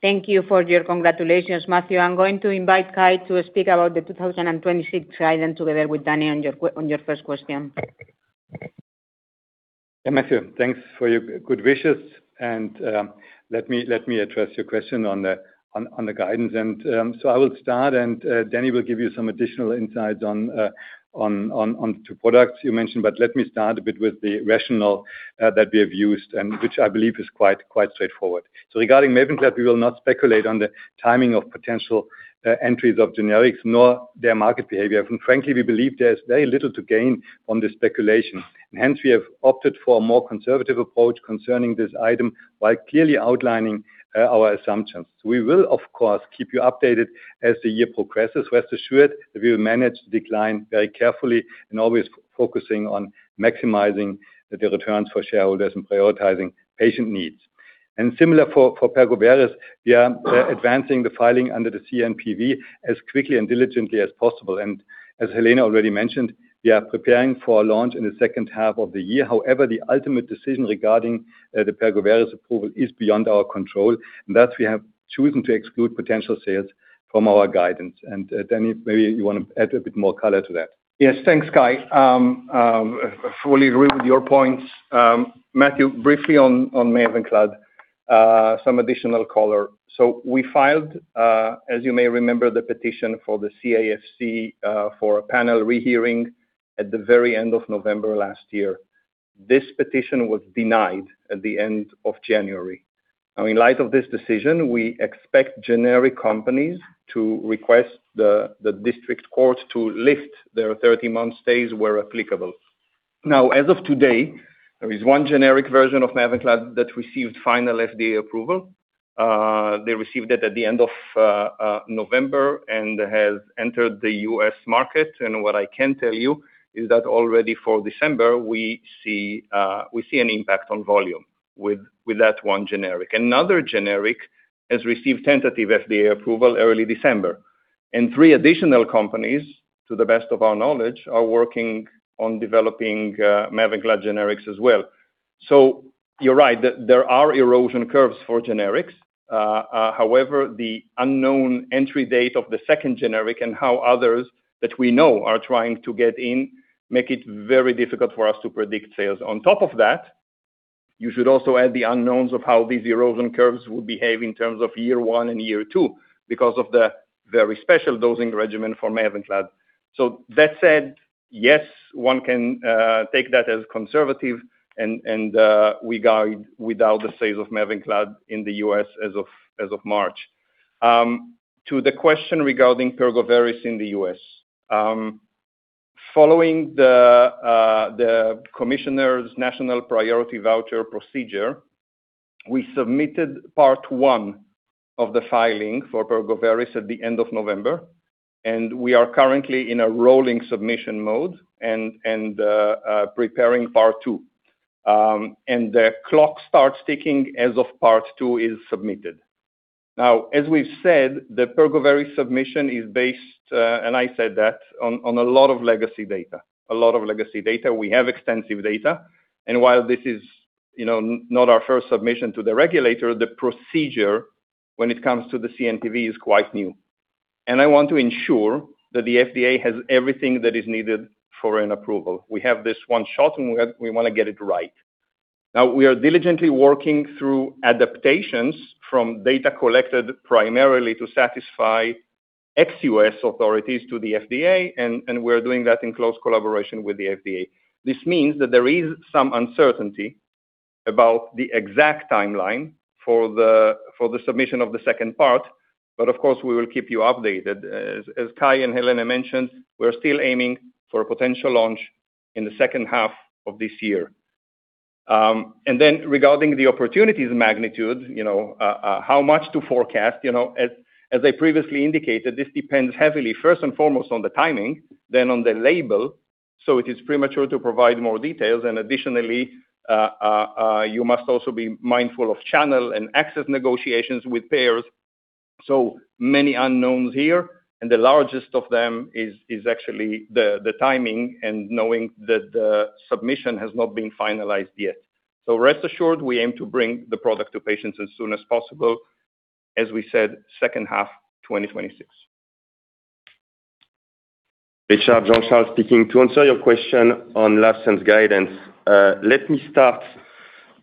S3: Thank you for your congratulations, Matthew. I'm going to invite Kai to speak about the 2026 guidance together with Danny on your first question.
S5: Matthew, thanks for your good wishes and let me address your question on the guidance. I will start and Danny will give you some additional insights on to products you mentioned. Let me start a bit with the rationale that we have used and which I believe is quite straightforward. Regarding MAVENCLAD, we will not speculate on the timing of potential entries of generics nor their market behavior. Frankly, we believe there's very little to gain from the speculation. Hence we have opted for a more conservative approach concerning this item by clearly outlining our assumptions. We will, of course, keep you updated as the year progresses. Rest assured that we will manage the decline very carefully and always focusing on maximizing the returns for shareholders and prioritizing patient needs. Similar for Pergoveris, we are advancing the filing under the CNPV as quickly and diligently as possible. As Helena already mentioned, we are preparing for a launch in the second half of the year. However, the ultimate decision regarding the Pergoveris approval is beyond our control, and thus we have chosen to exclude potential sales from our guidance. Danny, maybe you wanna add a bit more color to that.
S10: Fully agree with your points. Matthew, briefly on MAVENCLAD, some additional color. We filed, as you may remember, the petition for the CAFC for a panel rehearing at the very end of November last year. This petition was denied at the end of January. In light of this decision, we expect generic companies to request the district court to lift their 30-month stays where applicable. As of today, there is 1 generic version of MAVENCLAD that received final FDA approval. They received it at the end of November and has entered the U.S. market. What I can tell you is that already for December, we see an impact on volume with that 1 generic. Another generic has received tentative FDA approval early December. Three additional companies, to the best of our knowledge, are working on developing MAVENCLAD generics as well. So you're right. There are erosion curves for generics. However, the unknown entry date of the second generic and how others that we know are trying to get in make it very difficult for us to predict sales. On top of that, you should also add the unknowns of how these erosion curves will behave in terms of year one and year two because of the very special dosing regimen for MAVENCLAD. That said, yes, one can take that as conservative and we guide without the sales of MAVENCLAD in the U.S. as of March. To the question regarding Pergoveris in the U.S. Following the Commissioner's National Priority Voucher procedure, we submitted part 1 of the filing for Pergoveris at the end of November. We are currently in a rolling submission mode and preparing part 2. The clock starts ticking as of part 2 is submitted. Now, as we've said, the Pergoveris submission is based, and I said that, on a lot of legacy data. A lot of legacy data. We have extensive data. While this is, you know, not our first submission to the regulator, the procedure when it comes to the CNPV is quite new. I want to ensure that the FDA has everything that is needed for an approval. We have this 1 shot, and we wanna get it right. Now, we are diligently working through adaptations from data collected primarily to satisfy ex-U.S. authorities to the FDA, and we're doing that in close collaboration with the FDA. This means that there is some uncertainty about the exact timeline for the submission of the second part. Of course, we will keep you updated. As Kai and Helena mentioned, we're still aiming for a potential launch in the second half of this year. Then regarding the opportunities magnitude, you know, how much to forecast, you know, as I previously indicated, this depends heavily, first and foremost on the timing, then on the label, so it is premature to provide more details. Additionally, you must also be mindful of channel and access negotiations with payers. Many unknowns here, and the largest of them is actually the timing and knowing that the submission has not been finalized yet. Rest assured we aim to bring the product to patients as soon as possible. As we said, second half 2026.
S8: Richard, Jean-Charles speaking. To answer your question on Life Science guidance, let me start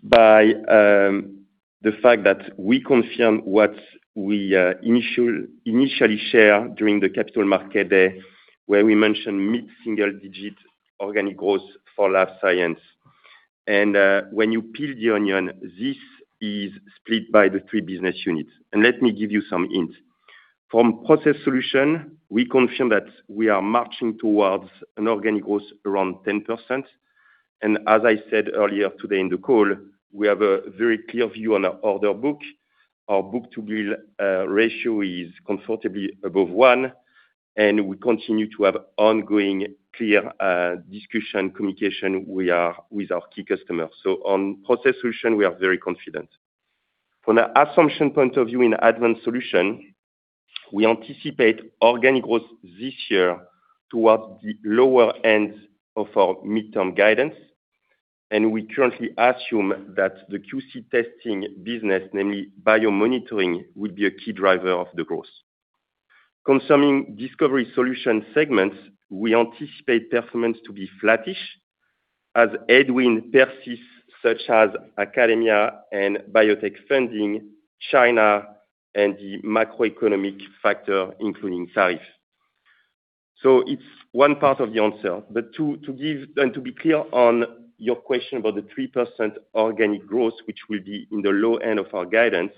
S8: by the fact that we confirm what we initially share during the Capital Market Day, where we mentioned mid-single-digit organic growth for Life Science. When you peel the onion, this is split by the three business units. Let me give you some hint. From Process Solutions, we confirm that we are marching towards an organic growth around 10%. As I said earlier today in the call, we have a very clear view on our order book. Our book-to-bill ratio is comfortably above one, and we continue to have ongoing clear discussion communication we are with our key customers. On Process Solutions, we are very confident. From the assumption point of view in Advanced Solutions, we anticipate organic growth this year towards the lower end of our midterm guidance, and we currently assume that the QC testing business, namely bio monitoring, will be a key driver of the growth. Concerning Discovery Solutions segments, we anticipate performance to be flattish as headwinds persists, such as academia and biotech funding, China and the macroeconomic factor, including tariff. It's one part of the answer. To be clear on your question about the 3% organic growth, which will be in the low end of our guidance.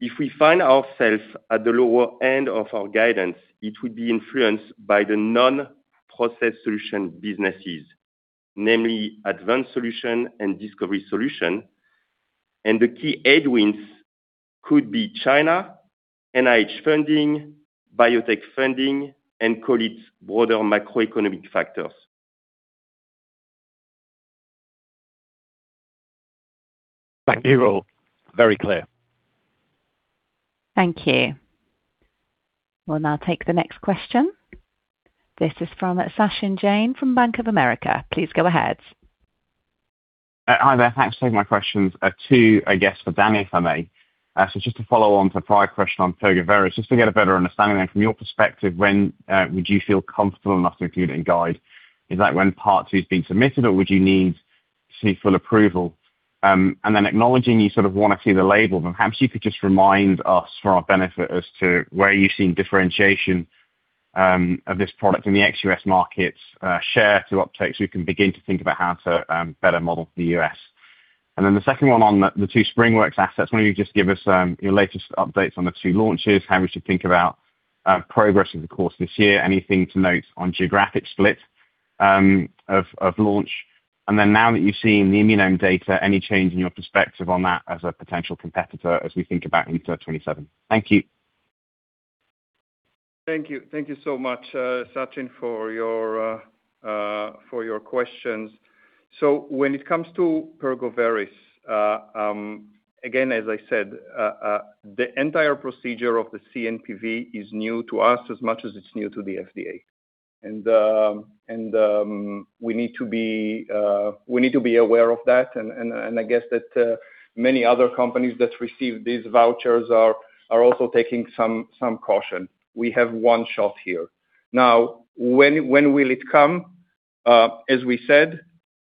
S8: If we find ourself at the lower end of our guidance, it will be influenced by the non-Process Solutions businesses, namely Advanced Solutions and Discovery Solutions. The key headwinds could be China, NIH funding, biotech funding and call it broader macroeconomic factors.
S11: Thank you all. Very clear.
S1: Thank you. We'll now take the next question. This is from Sachin Jain from Bank of America. Please go ahead.
S12: Hi there. Thanks for taking my questions. Two I guess for Dan, if I may. Just to follow on to prior question on Pergoveris, just to get a better understanding then from your perspective, when would you feel comfortable enough to include and guide? Is that when part two's been submitted, or would you need to see full approval? Acknowledging you sort of wanna see the label, but perhaps you could just remind us for our benefit as to where you're seeing differentiation of this product in the ex-US markets, share to uptake, so we can begin to think about how to better model the US. The second one on the 2 SpringWorks assets.
S10: Why don't you just give us your latest updates on the two launches, how we should think about progress over the course this year. Anything to note on geographic split of launch. Then now that you've seen the Immunome data, any change in your perspective on that as a potential competitor as we think about into 2027? Thank you so much, Sachin, for your questions. When it comes to Pergoveris, again, as I said, the entire procedure of the CNPV is new to us as much as it's new to the FDA. We need to be aware of that and I guess that many other companies that receive these vouchers are also taking some caution. We have one shot here. When will it come? As we said,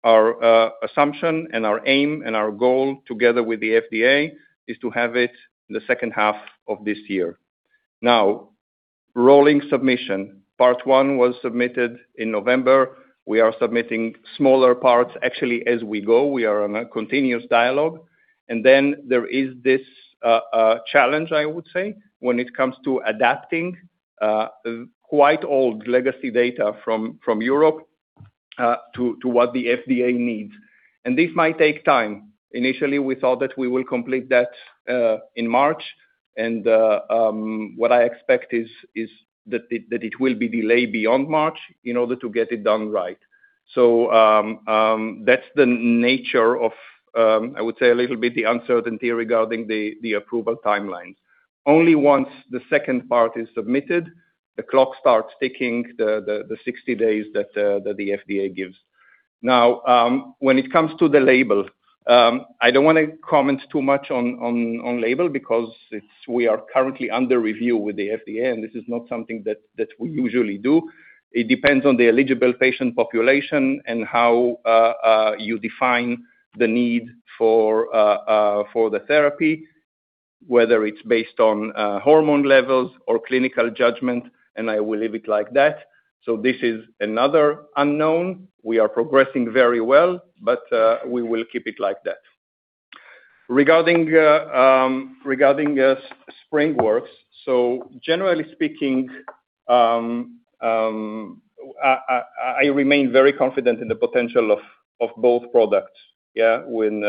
S10: our assumption and our aim and our goal together with the FDA is to have it the second half of this year. Rolling submission, part one was submitted in November. We are submitting smaller parts actually as we go. We are on a continuous dialogue. There is this challenge, I would say, when it comes to adapting quite old legacy data from Europe to what the FDA needs. This might take time. Initially, we thought that we will complete that in March. What I expect is that it will be delayed beyond March in order to get it done right. That's the nature of, I would say a little bit the uncertainty regarding the approval timelines. Only once the second part is submitted, the clock starts ticking the 60 days that the FDA gives. When it comes to the label, I don't wanna comment too much on label because we are currently under review with the FDA, and this is not something we usually do. It depends on the eligible patient population and how you define the need for the therapy, whether it's based on hormone levels or clinical judgment, and I will leave it like that. This is another unknown. We are progressing very well, but we will keep it like that. Regarding SpringWorks, generally speaking, I remain very confident in the potential of both products, yeah. When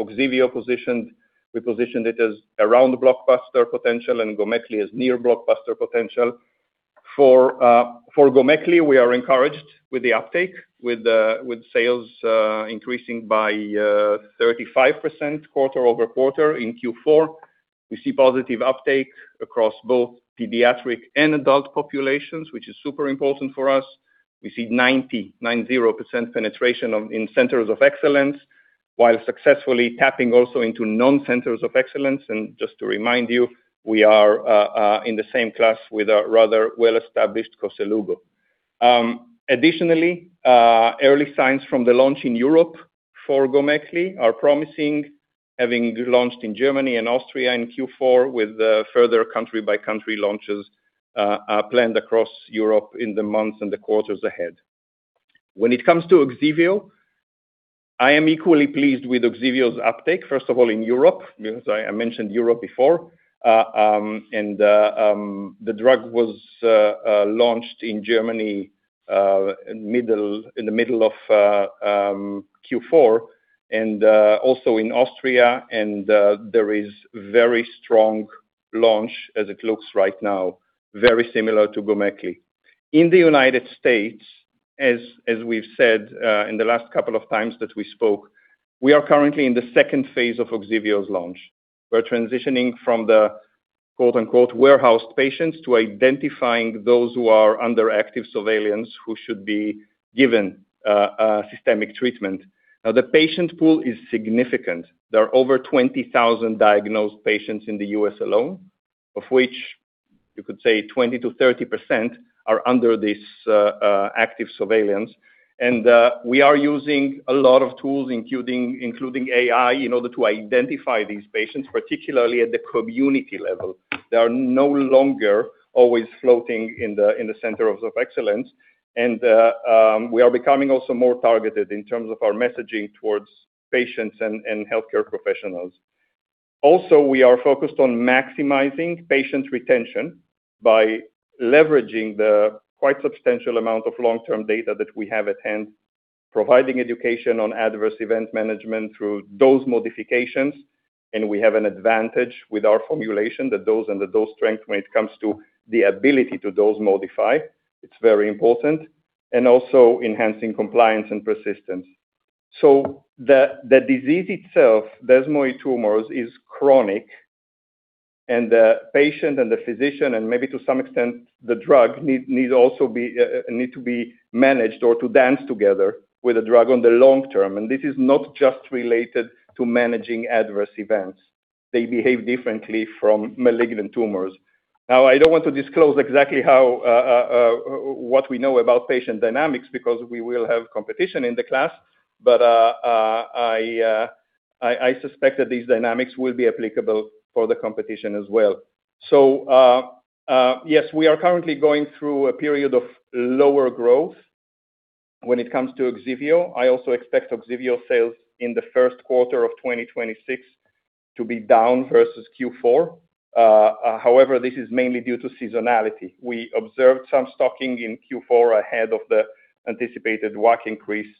S10: OGSIVEO positioned, we positioned it as around blockbuster potential and GOMEKLI as near blockbuster potential. For GOMEKLI, we are encouraged with the uptake, with sales increasing by 35% quarter-over-quarter in Q4. We see positive uptake across both pediatric and adult populations, which is super important for us. We see 90% penetration in centers of excellence while successfully tapping also into non-centers of excellence. Just to remind you, we are in the same class with a rather well-established KOSELUGO. Additionally, early signs from the launch in Europe for GOMEKLI are promising, having launched in Germany and Austria in Q4 with further country-by-country launches planned across Europe in the months and the quarters ahead. When it comes to OGSIVEO, I am equally pleased with OGSIVEO's uptake, first of all, in Europe, because I mentioned Europe before. The drug was launched in Germany in the middle of Q4 and also in Austria, and there is very strong launch as it looks right now, very similar to GOMEKLI. In the United States, as we've said in the last couple of times that we spoke, we are currently in the second phase of OGSIVEO's launch. We're transitioning from the quote-unquote warehoused patients to identifying those who are under active surveillance who should be given systemic treatment. The patient pool is significant. There are over 20,000 diagnosed patients in the U.S. alone, of which you could say 20%-30% are under this active surveillance. We are using a lot of tools including AI in order to identify these patients, particularly at the community level. They are no longer always floating in the center of excellence. We are becoming also more targeted in terms of our messaging towards patients and healthcare professionals. We are focused on maximizing patient retention by leveraging the quite substantial amount of long-term data that we have at hand, providing education on adverse event management through dose modifications. We have an advantage with our formulation, the dose and the dose strength when it comes to the ability to dose modify. It's very important. Also enhancing compliance and persistence. The disease itself, desmoid tumors, is chronic, and the patient and the physician, and maybe to some extent the drug need to be managed or to dance together with the drug on the long term. This is not just related to managing adverse events. They behave differently from malignant tumors. I don't want to disclose exactly how what we know about patient dynamics because we will have competition in the class, but I suspect that these dynamics will be applicable for the competition as well. Yes, we are currently going through a period of lower growth when it comes to OGSIVEO. I also expect OGSIVEO sales in the first quarter of 2026 to be down versus Q4. However, this is mainly due to seasonality. We observed some stocking in Q4 ahead of the anticipated WAC increase,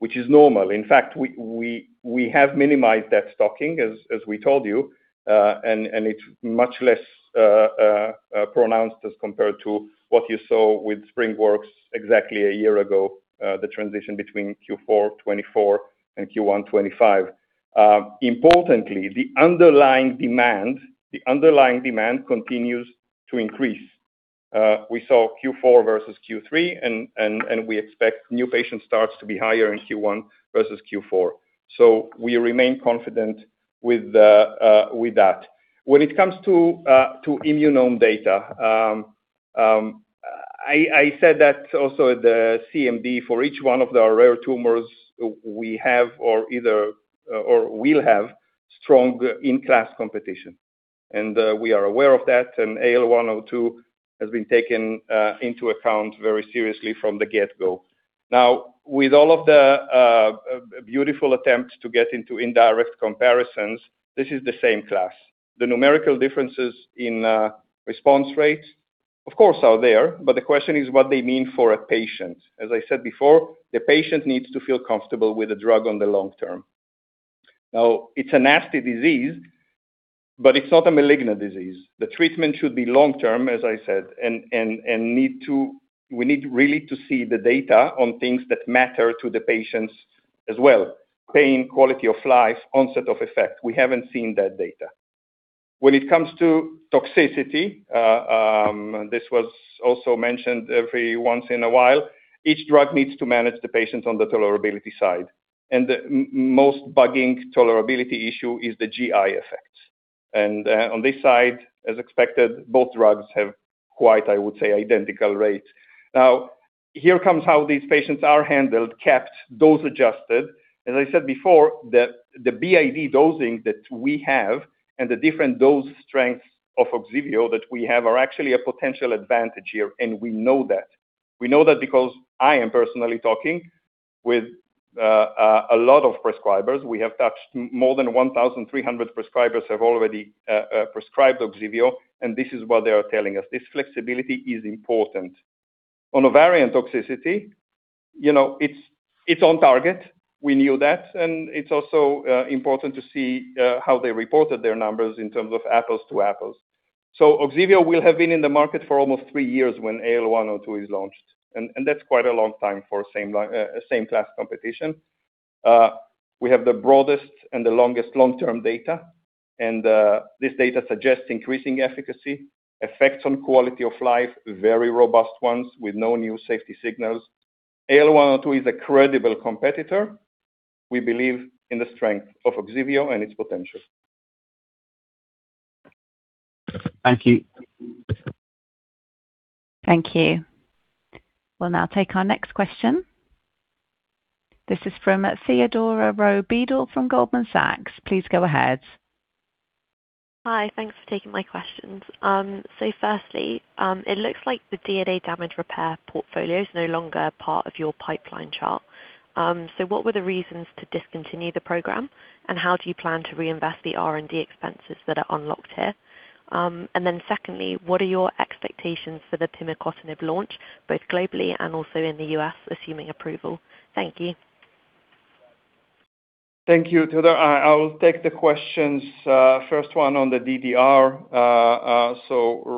S10: which is normal. In fact, we have minimized that stocking, as we told you, and it's much less pronounced as compared to what you saw with SpringWorks exactly a year ago, the transition between Q4 2024 and Q1 2025. Importantly, the underlying demand continues to increase. We saw Q4 versus Q3 and we expect new patient starts to be higher in Q1 versus Q4. We remain confident with that. When it comes to Immunome data, I said that also the CMD for each one of the rare tumors we have or either or will have strong in-class competition. We are aware of that, AL102 has been taken into account very seriously from the get-go. With all of the beautiful attempts to get into indirect comparisons, this is the same class. The numerical differences in response rates, of course, are there, but the question is what they mean for a patient. As I said before, the patient needs to feel comfortable with a drug on the long term. It's a nasty disease, but it's not a malignant disease. The treatment should be long-term, as I said, and need to. We need really to see the data on things that matter to the patients as well. Pain, quality of life, onset of effect. We haven't seen that data. When it comes to toxicity, this was also mentioned every once in a while, each drug needs to manage the patients on the tolerability side. The most bugging tolerability issue is the GI effect. On this side, as expected, both drugs have quite, I would say, identical rates. Here comes how these patients are handled, kept, dose-adjusted. As I said before, the BID dosing that we have and the different dose strengths of OGSIVEO that we have are actually a potential advantage here, and we know that. We know that because I am personally talking with a lot of prescribers. We have touched more than 1,300 prescribers have already prescribed OGSIVEO. This is what they are telling us. This flexibility is important. On ovarian toxicity, you know, it's on target. We knew that. It's also important to see how they reported their numbers in terms of apples to apples. OGSIVEO will have been in the market for almost 3 years when AL102 is launched. That's quite a long time for same line, same class competition. We have the broadest and the longest long-term data. This data suggests increasing efficacy, effects on quality of life, very robust ones with no new safety signals. AL102 is a credible competitor. We believe in the strength of OGSIVEO and its potential.
S12: Thank you.
S1: Thank you. We'll now take our next question. This is from Theodora Rowe Beadl from Goldman Sachs. Please go ahead.
S13: Hi. Thanks for taking my questions. Firstly, it looks like the DDR portfolio is no longer part of your pipeline chart. What were the reasons to discontinue the program, and how do you plan to reinvest the R&D expenses that are unlocked here? Secondly, what are your expectations for the pimicotinib launch, both globally and also in the US, assuming approval? Thank you.
S10: Thank you. Kai, I'll take the questions. First one on the DDR.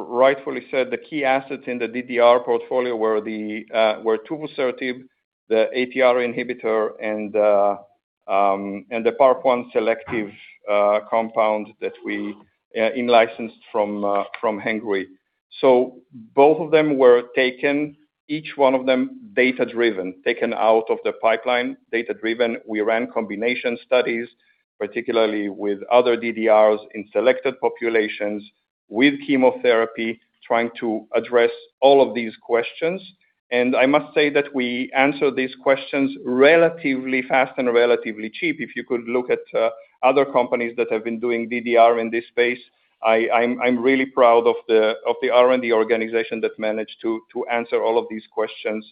S10: Rightfully said, the key assets in the DDR portfolio were tuvusertib, the ATR inhibitor and the PARP1-selective compound that we in-licensed from Hengrui. Both of them were taken, each one of them data-driven, taken out of the pipeline, data-driven. We ran combination studies, particularly with other DDRs in selected populations with chemotherapy, trying to address all of these questions. I must say that we answered these questions relatively fast and relatively cheap. If you could look at other companies that have been doing DDR in this space, I'm really proud of the R&D organization that managed to answer all of these questions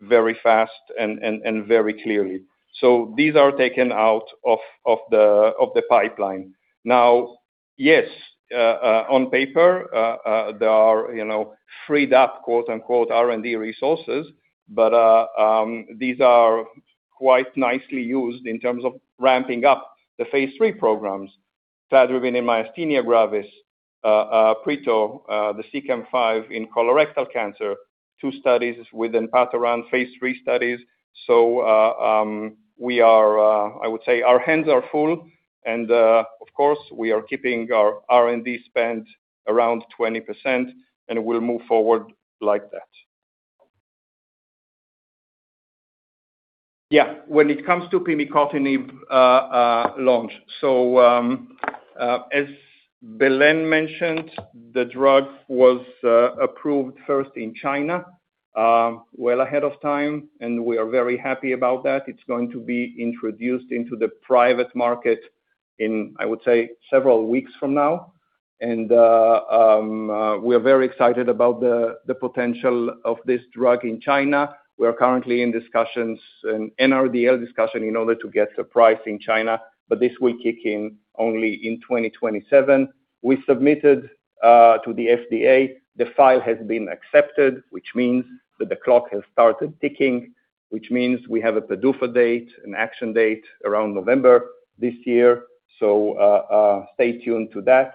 S10: very fast and very clearly. These are taken out of the pipeline. Yes, on paper, there are, you know, freed up, “R&D resources,” but these are quite nicely used in terms of ramping up the phase III programs. Tadruventin myasthenia gravis, pritelivit, the CEACAM5 in colorectal cancer, two studies with enpatoran, phase III studies. We are, I would say our hands are full and, of course, we are keeping our R&D spend around 20% and we'll move forward like that. Yeah. When it comes to pimicotinib launch. As Belén mentioned, the drug was approved first in China, well ahead of time, and we are very happy about that. It's going to be introduced into the private market in, I would say, several weeks from now. We are very excited about the potential of this drug in China. We are currently in discussions, an NRDL discussion in order to get the price in China, but this will kick in only in 2027. We submitted to the FDA. The file has been accepted, which means that the clock has started ticking, which means we have a PDUFA date, an action date around November this year. Stay tuned to that.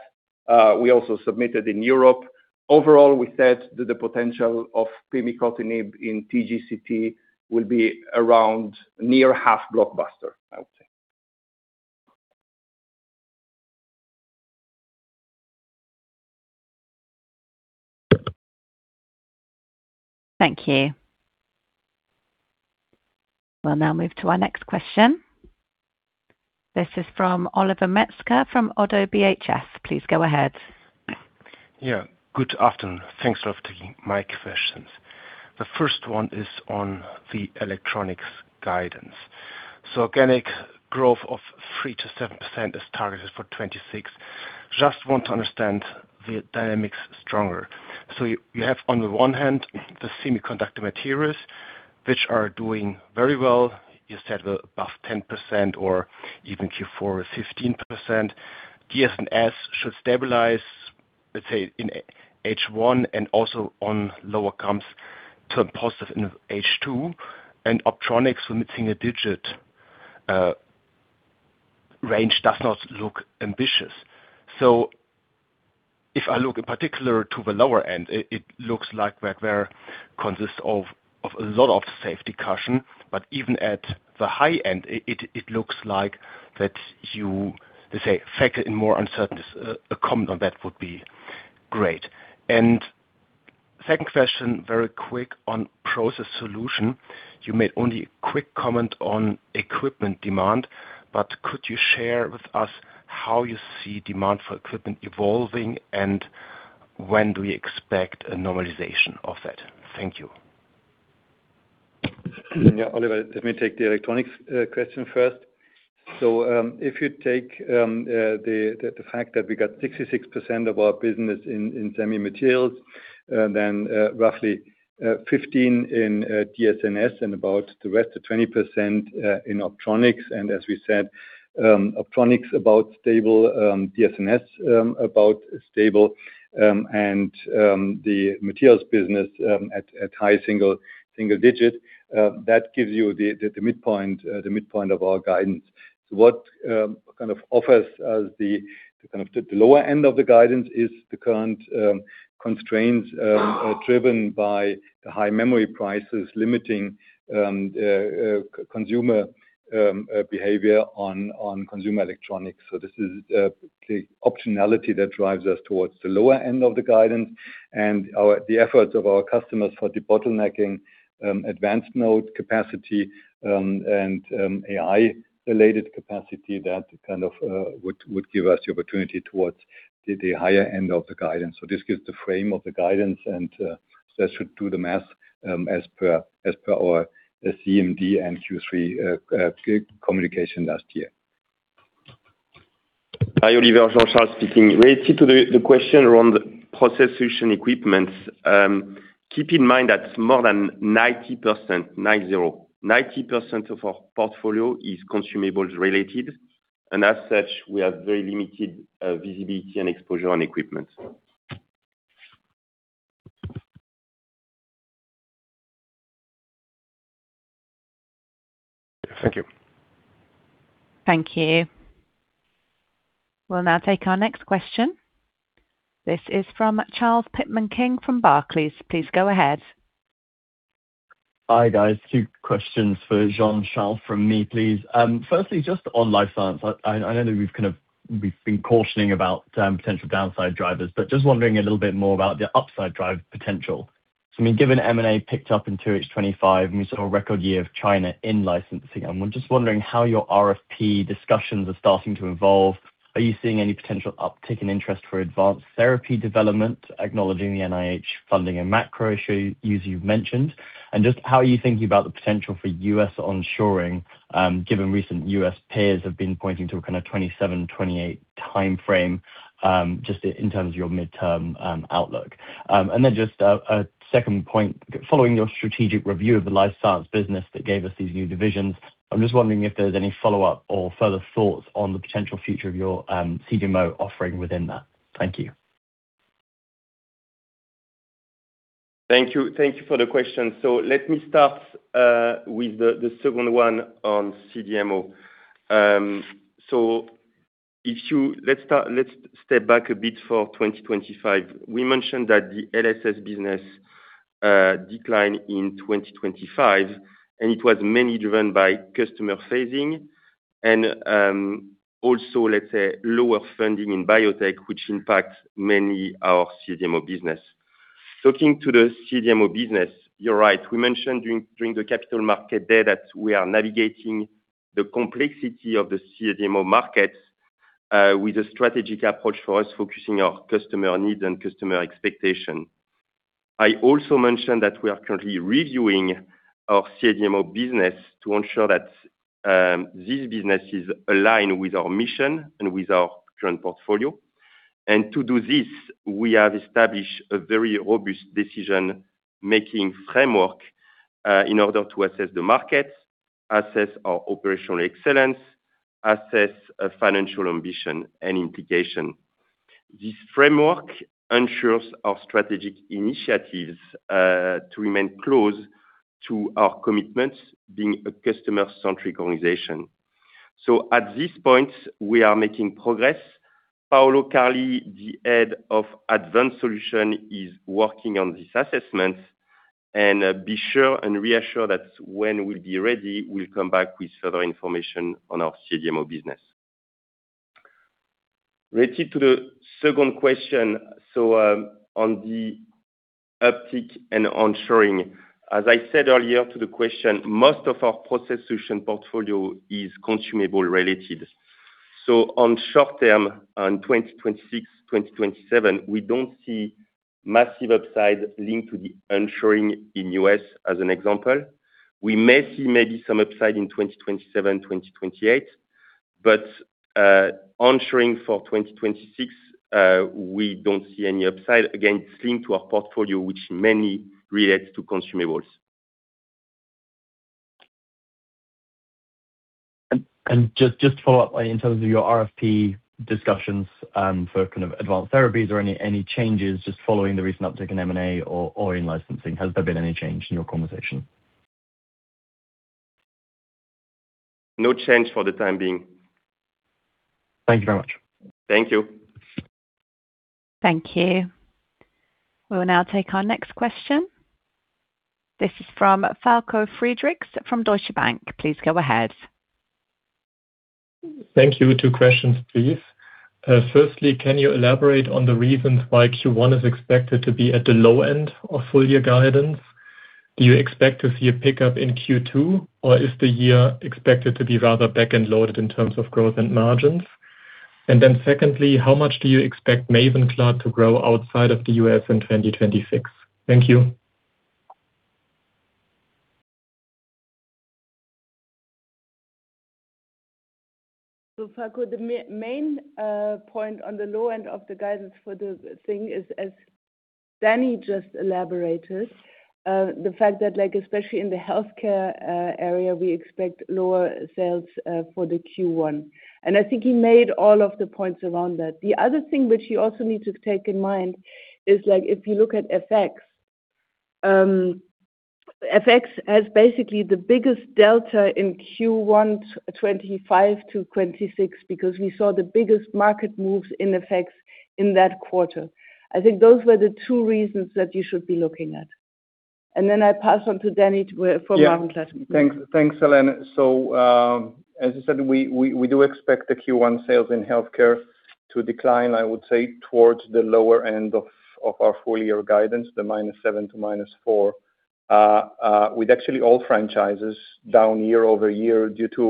S10: We also submitted in Europe. Overall, we said that the potential of pimicotinib in TGCT will be around near half blockbuster, I would say.
S1: Thank you. We'll now move to our next question. This is from Oliver Metzger from Oddo BHF. Please go ahead.
S14: Good afternoon. Thanks for taking my questions. The first one is on the Electronics guidance. Organic growth of 3%-7% is targeted for 2026. Just want to understand the dynamics stronger. You have, on the one hand, the Semiconductor Materials, which are doing very well. You said above 10% or even Q4 is 15%. DS&S should stabilize, let's say, in H1 and also on lower comps turn positive in H2. Optronics limiting a digit range does not look ambitious. If I look in particular to the lower end, it looks like that there consists of a lot of safety caution, but even at the high end, it looks like that you, let's say, factor in more uncertainties. A comment on that would be great. Second question, very quick on Process Solutions. You made only a quick comment on equipment demand. Could you share with us how you see demand for equipment evolving and when do we expect a normalization of that? Thank you.
S5: Oliver, let me take the Electronics question first. If you take the fact that we got 66% of our business in Semiconductor Materials, then roughly 15 in DS&S and about the rest of 20% in Optronics. As we said, Optronics about stable, DS&S about stable, and the materials business at high single-digit. That gives you the midpoint of our guidance. What kind of offers us the kind of the lower end of the guidance is the current constraints are driven by the high memory prices limiting consumer behavior on consumer electronics. This is the optionality that drives us towards the lower end of the guidance and the efforts of our customers for debottlenecking advanced node capacity and AI-related capacity that kind of would give us the opportunity towards the higher end of the guidance. This gives the frame of the guidance, and that should do the math as per our CMD and Q3 communication last year.
S8: Hi, Oliver. Jean-Charles speaking. Related to the question around Process Solutions equipment, keep in mind that more than 90% of our portfolio is consumables related, and as such, we have very limited visibility and exposure on equipment.
S14: Thank you.
S1: Thank you. We'll now take our next question. This is from Charles Pitman King from Barclays. Please go ahead.
S15: Hi, guys. 2 questions for Jean-Charles from me, please. Firstly, just on life science. I know that we've kind of, we've been cautioning about potential downside drivers, but just wondering a little bit more about the upside drive potential. I mean, given M&A picked up in 2H 2025 and we saw a record year of China in licensing, I'm just wondering how your RFP discussions are starting to evolve. Are you seeing any potential uptick in interest for advanced therapy development, acknowledging the NIH funding and macro issue, as you've mentioned? Just how are you thinking about the potential for U.S. onshoring, given recent U.S. peers have been pointing to a kind of 2027-2028 timeframe, just in terms of your midterm outlook? Just a second point. Following your strategic review of the Life Science business that gave us these new divisions, I'm just wondering if there's any follow-up or further thoughts on the potential future of your CDMO offering within that. Thank you.
S8: Thank you. Thank you for the question. Let me start with the second one on CDMO. Let's step back a bit for 2025. We mentioned that the LSS business declined in 2025, and it was mainly driven by customer phasing and also let's say lower funding in biotech, which impacts many our CDMO business. Looking to the CDMO business, you're right. We mentioned during the capital market day that we are navigating the complexity of the CDMO markets with a strategic approach for us focusing our customer needs and customer expectation. I also mentioned that we are currently reviewing our CDMO business to ensure that these businesses align with our mission and with our current portfolio. To do this, we have established a very robust decision-making framework, in order to assess the market, assess our operational excellence, assess a financial ambition and implication. This framework ensures our strategic initiatives to remain close to our commitments being a customer-centric organization. At this point, we are making progress. Paolo Carli, the Head of Advanced Solutions, is working on this assessment and be sure and reassure that when we'll be ready, we'll come back with further information on our CDMO business. On the uptick and onshoring, as I said earlier to the question, most of our Process Solutions portfolio is consumable-related. On short term, on 2026, 2027, we don't see massive upside linked to the onshoring in U.S. as an example. We may see maybe some upside in 2027, 2028, but onshoring for 2026, we don't see any upside. Again, it's linked to our portfolio, which many relates to consumables.
S15: Just to follow up, in terms of your RFP discussions, for kind of advanced therapies, are any changes just following the recent uptick in M&A or in licensing? Has there been any change in your conversation?
S8: No change for the time being.
S15: Thank you very much.
S8: Thank you.
S1: Thank you. We will now take our next question. This is from Falko Friedrichs from Deutsche Bank. Please go ahead.
S16: Thank you. Two questions, please. Firstly, can you elaborate on the reasons why Q1 is expected to be at the low end of full year guidance? Do you expect to see a pickup in Q2, or is the year expected to be rather back-end loaded in terms of growth and margins? Secondly, how much do you expect MAVENCLAD to grow outside of the US in 2026? Thank you.
S4: Falco, the main point on the low end of the guidance for the thing is, as Danny just elaborated, the fact that like especially in the healthcare area, we expect lower sales for the Q1. I think he made all of the points around that. The other thing which you also need to take in mind is like if you look at FX has basically the biggest delta in Q1 25-26 because we saw the biggest market moves in FX in that quarter. I think those were the two reasons that you should be looking at. I pass on to Danny.
S10: Yeah.
S4: For MAVENCLAD.
S10: Thanks. Thanks, Helene. As you said, we do expect the Q1 sales in healthcare to decline, I would say, towards the lower end of our full year guidance, the -7% to -4%, with actually all franchises down year-over-year due to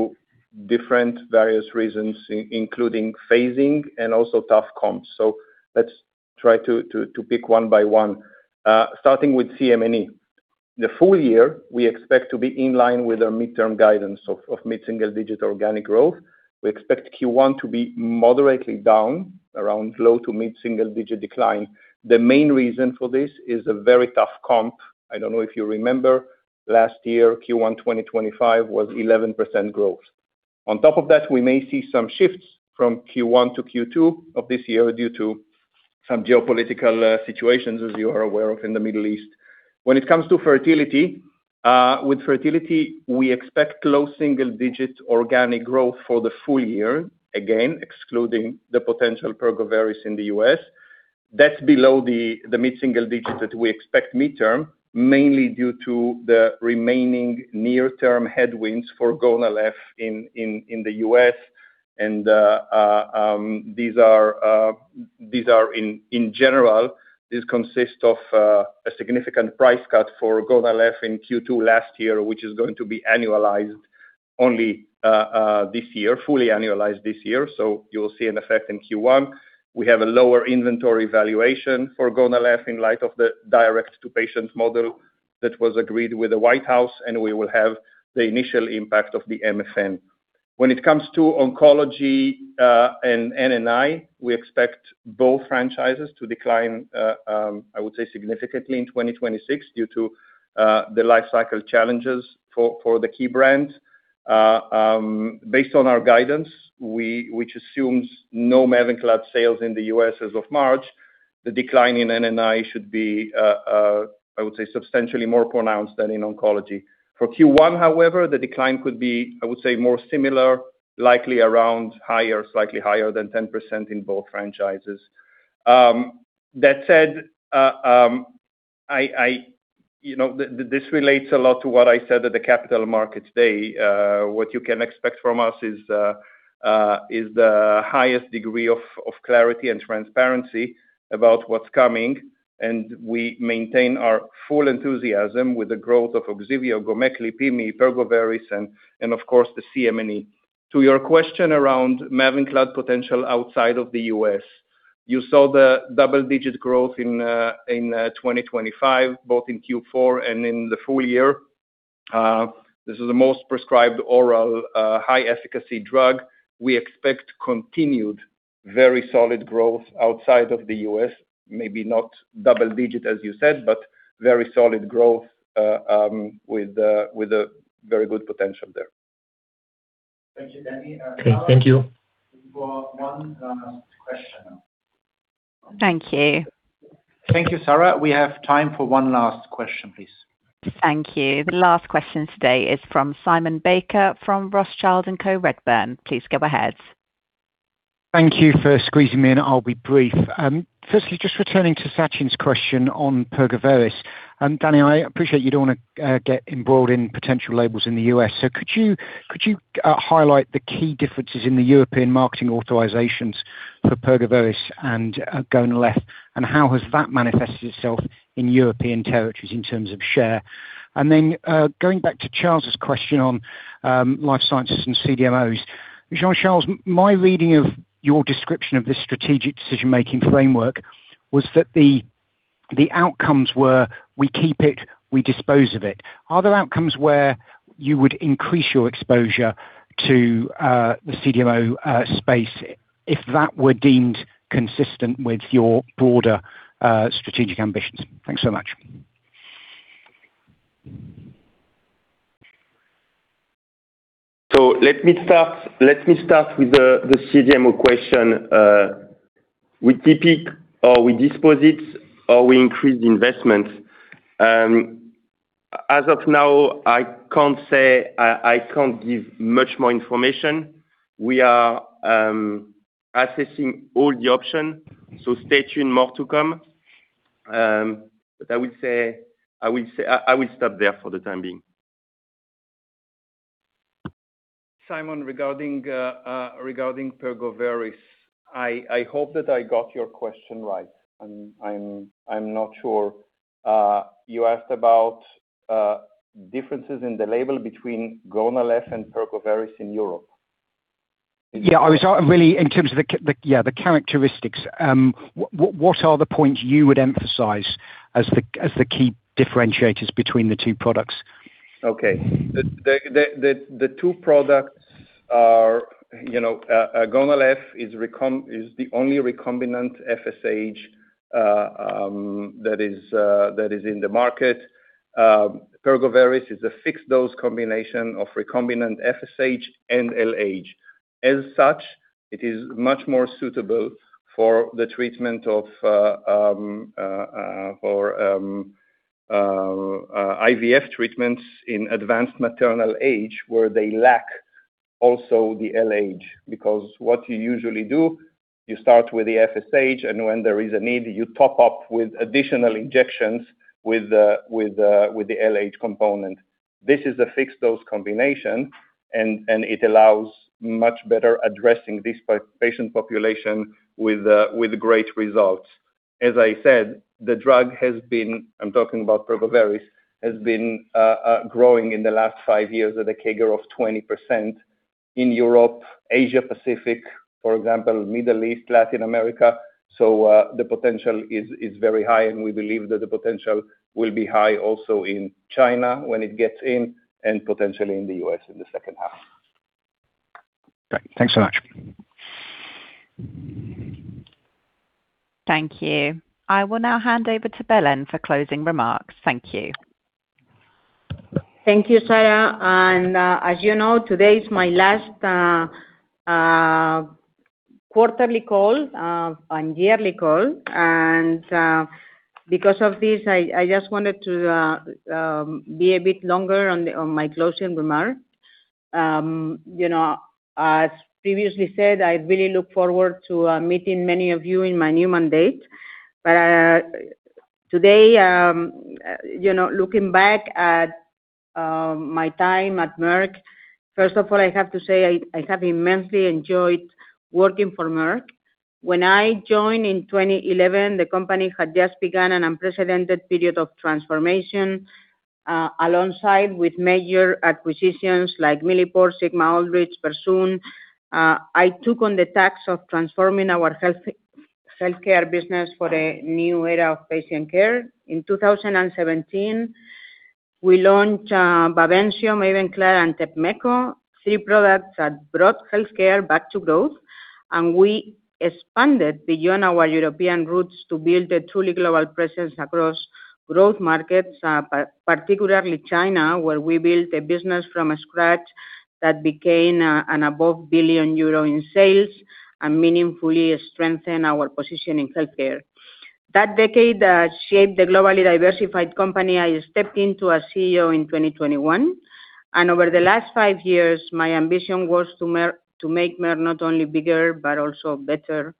S10: different various reasons including phasing and also tough comps. Let's try to pick one by one. Starting with CM&E. The full year, we expect to be in line with our midterm guidance of mid-single digit organic growth. We expect Q1 to be moderately down around low to mid-single digit decline. The main reason for this is a very tough comp. I don't know if you remember last year, Q1 2025 was 11% growth. On top of that, we may see some shifts from Q1 to Q2 of this year due to some geopolitical situations, as you are aware of in the Middle East. When it comes to fertility, with fertility, we expect low single digits organic growth for the full year, again, excluding the potential Pergoveris in the U.S. That's below the mid-single digits that we expect midterm, mainly due to the remaining near-term headwinds for GONAL‑f in the U.S. These are in general, these consist of a significant price cut for GONAL‑f in Q2 last year, which is going to be annualized only this year, fully annualized this year. You'll see an effect in Q1. We have a lower inventory valuation for GONAL‑f in light of the direct to patient model that was agreed with the White House. We will have the initial impact of the MFN. When it comes to oncology, and NNI, we expect both franchises to decline, I would say significantly in 2026 due to the life cycle challenges for the key brands. Based on our guidance, which assumes no MAVENCLAD sales in the U.S. as of March, the decline in NNI should be, I would say, substantially more pronounced than in oncology. For Q1, however, the decline could be, I would say, more similar, likely around higher, slightly higher than 10% in both franchises. That said, I you know, this relates a lot to what I said at the Capital Markets Day. What you can expect from us is the highest degree of clarity and transparency about what's coming. We maintain our full enthusiasm with the growth of OGSIVEO, GOMEKLI, pimi, Pergoveris, and of course, the CM&E. To your question around MAVENCLAD potential outside of the U.S., you saw the double-digit growth in 2025, both in Q4 and in the full year. This is the most prescribed oral high efficacy drug. We expect continued very solid growth outside of the U.S., maybe not double-digit, as you said, but very solid growth with a very good potential there. Thank you, Danny.
S16: Okay, thank you.
S10: We've got one last question.
S1: Thank you.
S10: Thank you, Sarah. We have time for one last question, please.
S1: Thank you. The last question today is from Simon Baker from Rothschild & Co. Please go ahead.
S17: Thank you for squeezing me in. I'll be brief. Firstly, just returning to Sachin's question on Pergoveris. Danny, I appreciate you don't wanna get embroiled in potential labels in the US. Could you highlight the key differences in the European marketing authorizations for Pergoveris and GONAL‑f, and how has that manifested itself in European territories in terms of share? Going back to Charles' question on life sciences and CDMOs. Jean-Charles, my reading of your description of this strategic decision-making framework was that the outcomes were we keep it, we dispose of it. Are there outcomes where you would increase your exposure to the CDMO space if that were deemed consistent with your broader strategic ambitions? Thanks so much.
S8: Let me start with the CDMO question. We keep it or we dispose it or we increase the investment. As of now, I can't say. I can't give much more information. We are assessing all the options, so stay tuned, more to come. I would say, I will stop there for the time being.
S10: Simon, regarding Pergoveris. I hope that I got your question right. I'm not sure. You asked about differences in the label between GONAL‑f and Pergoveris in Europe.
S17: Yeah. I was really in terms of the, yeah, the characteristics. What are the points you would emphasize as the key differentiators between the two products?
S10: Okay. The two products are, you know, GONAL‑f is the only recombinant FSH that is in the market. Pergoveris is a fixed-dose combination of recombinant FSH and LH. As such, it is much more suitable for the treatment of IVF treatments in advanced maternal age, where they lack also the LH. Because what you usually do, you start with the FSH, and when there is a need, you top up with additional injections with the LH component. This is a fixed-dose combination, and it allows much better addressing this patient population with great results. As I said, the drug, I'm talking about Pergoveris, has been growing in the last 5 years at a CAGR of 20% in Europe, Asia Pacific, for example, Middle East, Latin America. The potential is very high, and we believe that the potential will be high also in China when it gets in and potentially in the U.S. in the second half.
S17: Great. Thanks so much.
S1: Thank you. I will now hand over to Belén for closing remarks. Thank you.
S3: Thank you, Sarah. As you know, today is my last quarterly call and yearly call. Because of this, I just wanted to be a bit longer on my closing remarks. You know, as previously said, I really look forward to meeting many of you in my new mandate. Today, you know, looking back at my time at Merck, first of all, I have to say I have immensely enjoyed working for Merck. When I joined in 2011, the company had just begun an unprecedented period of transformation. Alongside with major acquisitions like MilliporeSigma Aldrich, Versum. I took on the task of transforming our healthcare business for a new era of patient care. In 2017, we launched BAVENCIO, MAVENCLAD, and TEPMETKO, three products that brought healthcare back to growth. We expanded beyond our European roots to build a truly global presence across growth markets, particularly China, where we built a business from scratch that became an above 1 billion euro in sales and meaningfully strengthened our position in healthcare. That decade shaped the globally diversified company I stepped into as CEO in 2021. Over the last 5 years, my ambition was to make Merck not only bigger but also better.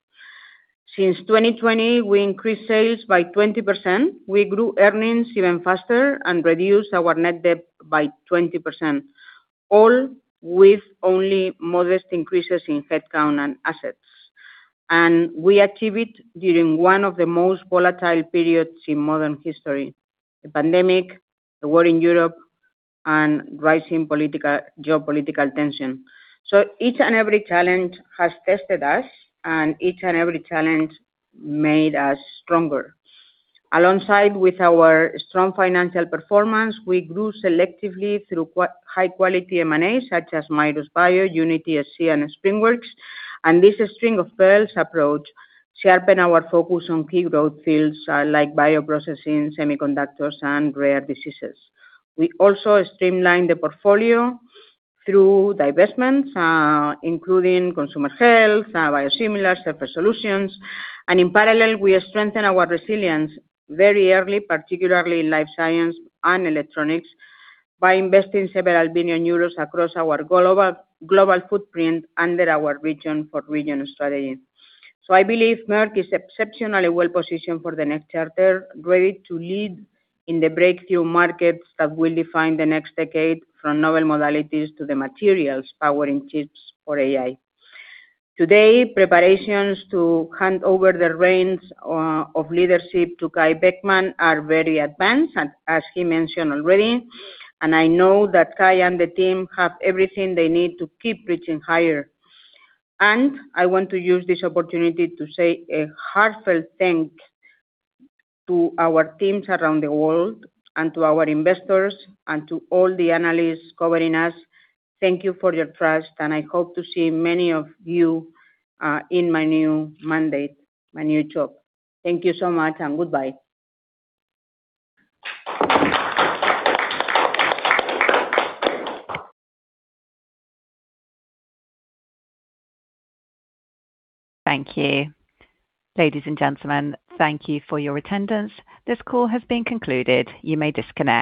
S3: Since 2020, we increased sales by 20%. We grew earnings even faster and reduced our net debt by 20%, all with only modest increases in headcount and assets. We achieved during one of the most volatile periods in modern history: the pandemic, the war in Europe, and rising geopolitical tension. Each and every challenge has tested us, and each and every challenge made us stronger. Alongside with our strong financial performance, we grew selectively through high-quality M&As, such as Mirus Bio, UnitySC, and SpringWorks. This string of pearls approach sharpen our focus on key growth fields, like bioprocessing, semiconductors, and rare diseases. We also streamlined the portfolio through divestments, including Consumer Health, Biosimilars, Surface Solutions. In parallel, we strengthened our resilience very early, particularly in Life Science and Electronics, by investing several billion EUR across our global footprint under our region for regional strategy. I believe Merck is exceptionally well-positioned for the next chapter, ready to lead in the breakthrough markets that will define the next decade, from novel modalities to the materials powering chips for AI. Today, preparations to hand over the reins of leadership to Kai Beckmann are very advanced, as he mentioned already. I know that Kai and the team have everything they need to keep reaching higher. I want to use this opportunity to say a heartfelt thank to our teams around the world and to our investors and to all the analysts covering us. Thank you for your trust, and I hope to see many of you in my new mandate, my new job. Thank you so much, and goodbye.
S1: Thank you. Ladies and gentlemen, thank you for your attendance. This call has been concluded. You may disconnect.